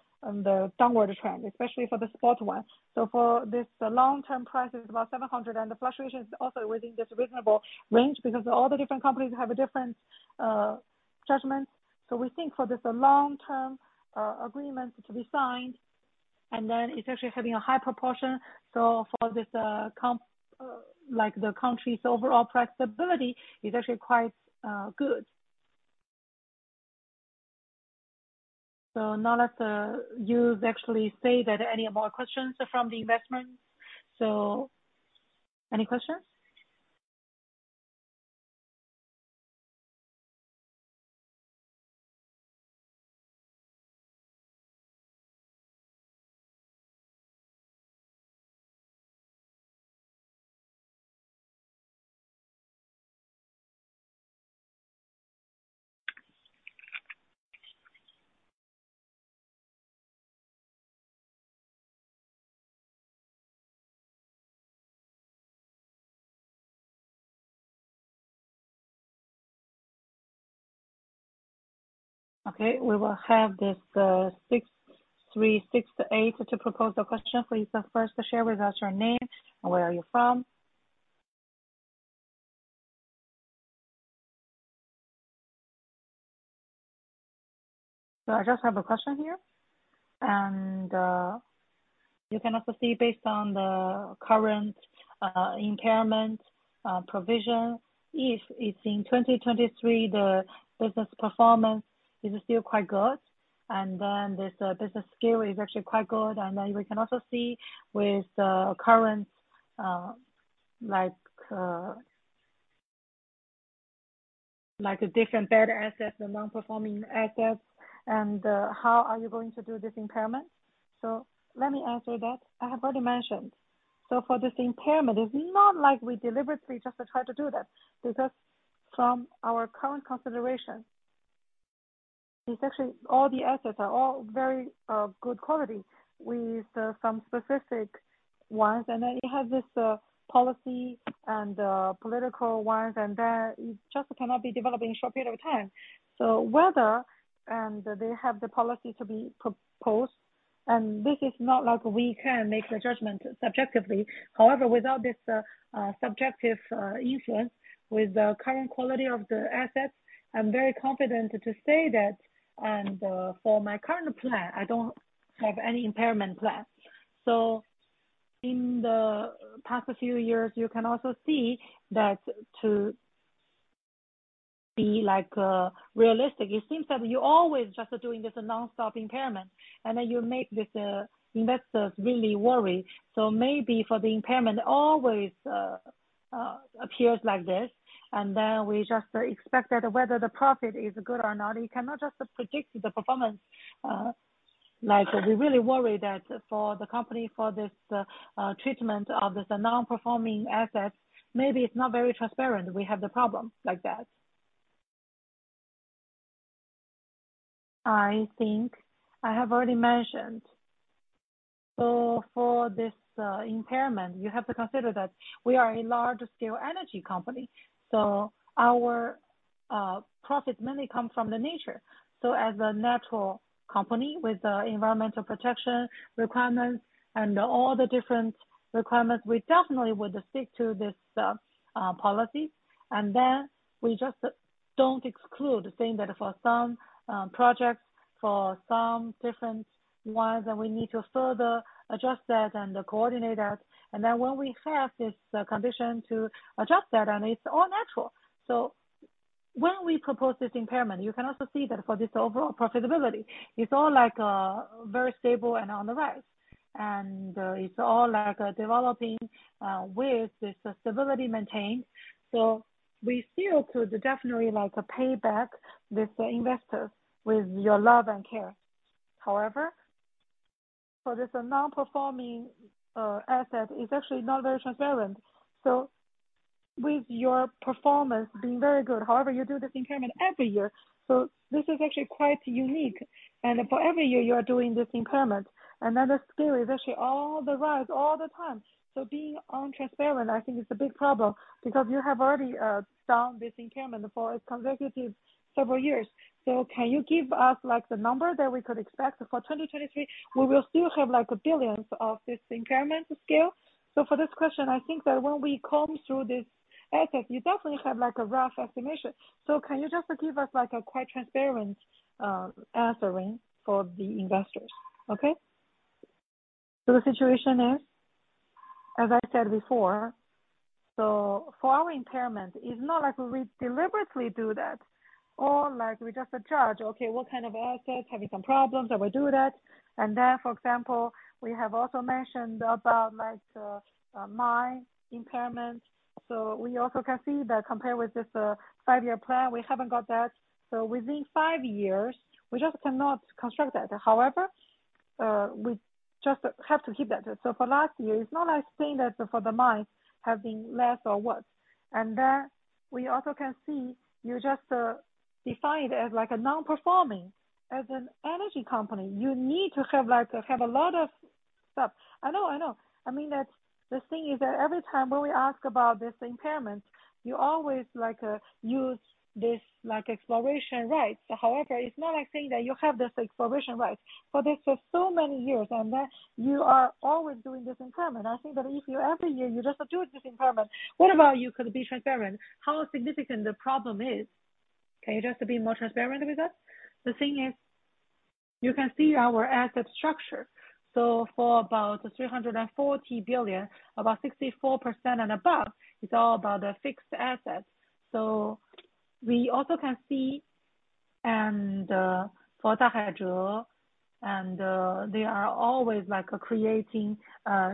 the downward trend, especially for the spot one. For this long-term price is about 700, and the fluctuation is also within this reasonable range because all the different companies have a different judgment. We think for this long-term agreement to be signed, and then it's actually having a high proportion. For this, count, like, the country's overall price stability is actually quite good. Now that, you've actually said that, are there any more questions from the investments? Any questions? Okay, we will have this 6368 to propose a question. Please, first share with us your name and where are you from. I just have a question here. You can also see based on the current impairment provision, if it's in 2023, the business performance is still quite good, this business scale is actually quite good. We can also see with the current like a different better assets than non-performing assets, how are you going to do this impairment? Let me answer that. I have already mentioned. For this impairment, it's not like we deliberately just try to do that because from our current consideration, it's actually all the assets are all very good quality with some specific ones. You have this policy and political ones, it just cannot be developed in a short period of time. Whether, and they have the policy to be proposed, and this is not like we can make the judgment subjectively. However, without this subjective influence with the current quality of the assets, I'm very confident to say that, and for my current plan, I don't have any impairment plan. In the past few years, you can also see that to be like realistic, it seems that you're always just doing this non-stop impairment, and then you make these investors really worry. Maybe for the impairment always appears like this, and then we just expect that whether the profit is good or not, you cannot just predict the performance. Like we really worry that for the company, for this treatment of the non-performing assets, maybe it's not very transparent. We have the problem like that. I think I have already mentioned. For this, impairment, you have to consider that we are a large scale energy company, so our profits mainly come from the nature. As a natural company with environmental protection requirements and all the different requirements, we definitely would stick to this policy. We just don't exclude saying that for some projects, for some different ones that we need to further adjust that and coordinate that. When we have this condition to adjust that, and it's all natural. When we propose this impairment, you can also see that for this overall profitability, it's all like, very stable and on the rise. It's all like, developing with this stability maintained. We still could definitely like pay back these investors with your love and care. For this non-performing asset, it's actually not very transparent. With your performance being very good, however, you do this impairment every year. This is actually quite unique. For every year you are doing this impairment, another scale is actually all the rise all the time. Being untransparent, I think is a big problem because you have already done this impairment for consecutive several years. Can you give us like the number that we could expect for 2023? We will still have like billions of this impairment scale. For this question, I think that when we comb through this asset, you definitely have like a rough estimation. Can you just give us like a quite transparent answering for the investors? The situation is, as I said before, so for our impairment, it's not like we deliberately do that or like we just judge, okay, what kind of assets having some problems and we do that. For example, we have also mentioned about like mine impairment. We also can see that compared with this five-year plan, we haven't got that. Within five years we just cannot construct that. However, we just have to keep that. For last year, it's not like saying that for the mines have been less or what. We also can see you just define it as like a non-performing. As an energy company, you need to have like, have a lot of stuff. I know, I know. I mean, that's the thing is that every time when we ask about this impairment, you always like use this like exploration rights. However, it's not like saying that you have this exploration rights, but it's for so many years and that you are always doing this impairment. I think that if you every year you just do this impairment, what about you could be transparent how significant the problem is? Can you just be more transparent with us? The thing is you can see our asset structure. For about 340 billion, about 64% and above, it's all about the fixed assets. We also can see and for the they are always like creating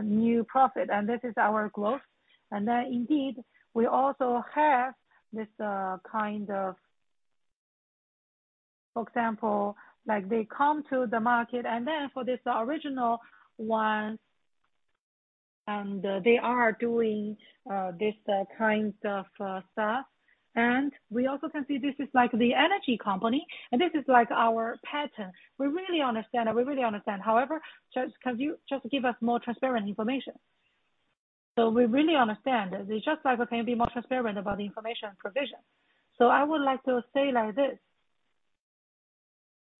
new profit. This is our growth. Then indeed, we also have this kind of. For example, like they come to the market and then for this original ones. They are doing this kind of stuff. We also can see this is like the energy company, and this is like our pattern. We really understand that. We really understand. However, can you just give us more transparent information? We really understand. It's just like, can you be more transparent about the information provision? I would like to say like this.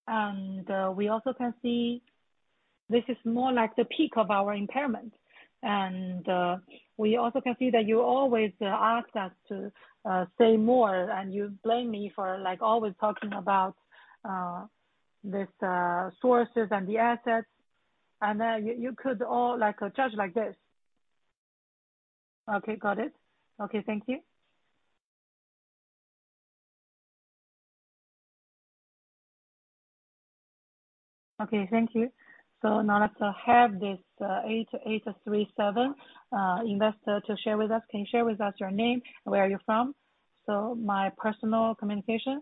We also can see this is more like the peak of our impairment. We also can see that you always ask us to say more, and you blame me for like always talking about this sources and the assets. Then you could all like judge like this. Okay, got it. Okay, thank you. Okay, thank you. Now let's have this 8837 investor to share with us. Can you share with us your name and where are you from? My personal communication.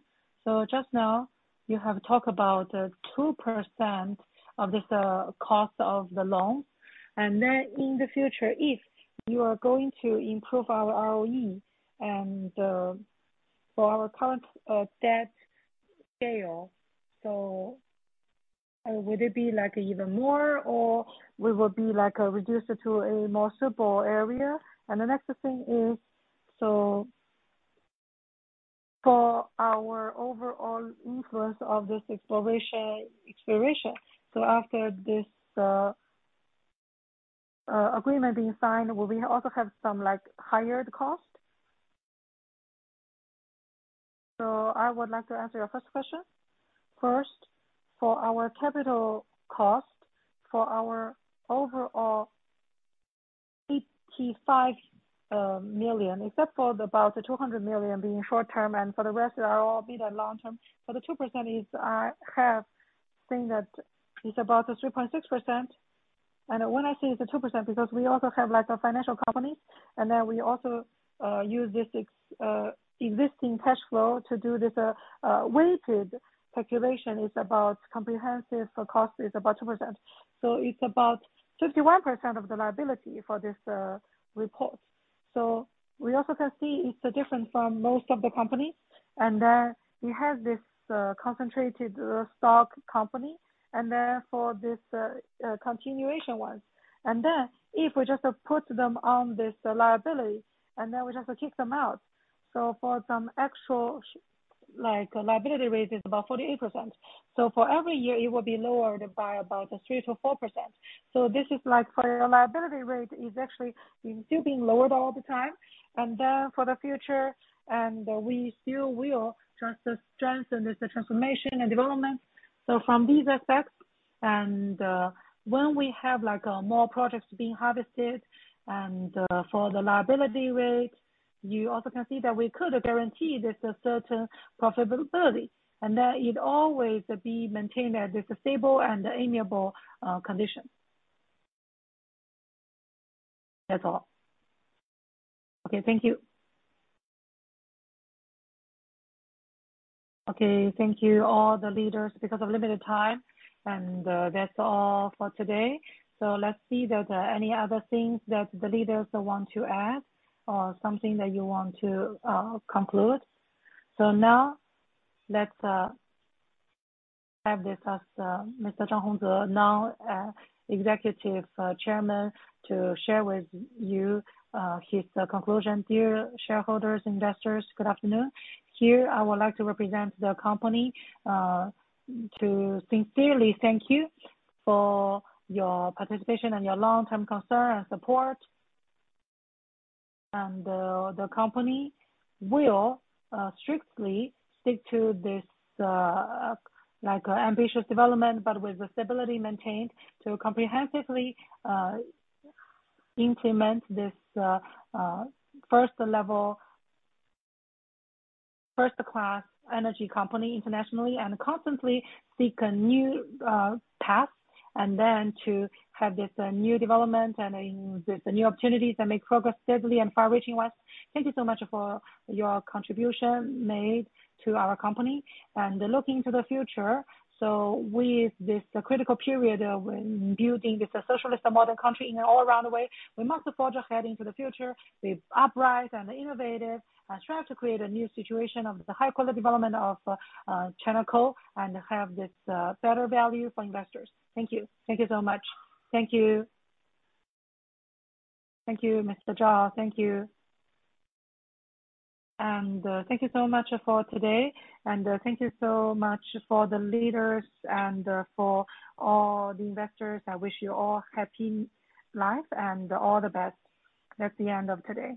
Just now you have talked about 2% of this cost of the loan. In the future, if you are going to improve our ROE and for our current debt scale. Would it be like even more or we will be like reduced to a more suitable area? The next thing is for our overall influence of this exploration. After this agreement being signed, will we also have some like higher cost? I would like to answer your first question. First, for our capital cost, for our overall 85 million, except for about 200 million being short-term, and for the rest they're all be the long-term. For the 2% is, have seen that it's about a 3.6%. When I say it's a 2% because we also have like a financial company, and then we also use this existing cash flow to do this weighted calculation. It's about comprehensive for cost is about 2%. It's about 51% of the liability for this report. We also can see it's different from most of the companies. We have this concentrated stock company and then for this continuation ones. If we just put them on this liability and then we just kick them out. For some actual like liability rate is about 48%. For every year it will be lowered by about a 3%-4%. This is like for your liability rate is actually still being lowered all the time and then for the future, and we still will strengthen this transformation and development. From these aspects and when we have like more projects being harvested and for the liability rate, you also can see that we could guarantee there's a certain profitability and that it always be maintained at a stable and amiable condition. That's all. Okay. Thank you. Okay, thank you. All the leaders, because of limited time and that's all for today. Let's see that any other things that the leaders want to add or something that you want to conclude. Now let's have this as Mr. Zhao Rongzhe now, Executive Chairman, to share with you his conclusion. Dear shareholders, investors, good afternoon. Here I would like to represent the company to sincerely thank you for your participation and your long-term concern and support. The company will strictly stick to this like ambitious development, but with the stability maintained to comprehensively implement this first class energy company internationally and constantly seek a new path, then to have this new development, the new opportunities and make progress steadily in far-reaching ways. Thank you so much for your contribution made to our company. Looking to the future, with this critical period of building this socialist and modern country in an all-around way, we must forge ahead into the future with upright and innovative and strive to create a new situation of the high quality development of China Coal. Have this better value for investors. Thank you. Thank you so much. Thank you. Thank you, Mr. Zhao. Thank you. Thank you so much for today. Thank you so much for the leaders and for all the investors. I wish you all happy life and all the best. That's the end of today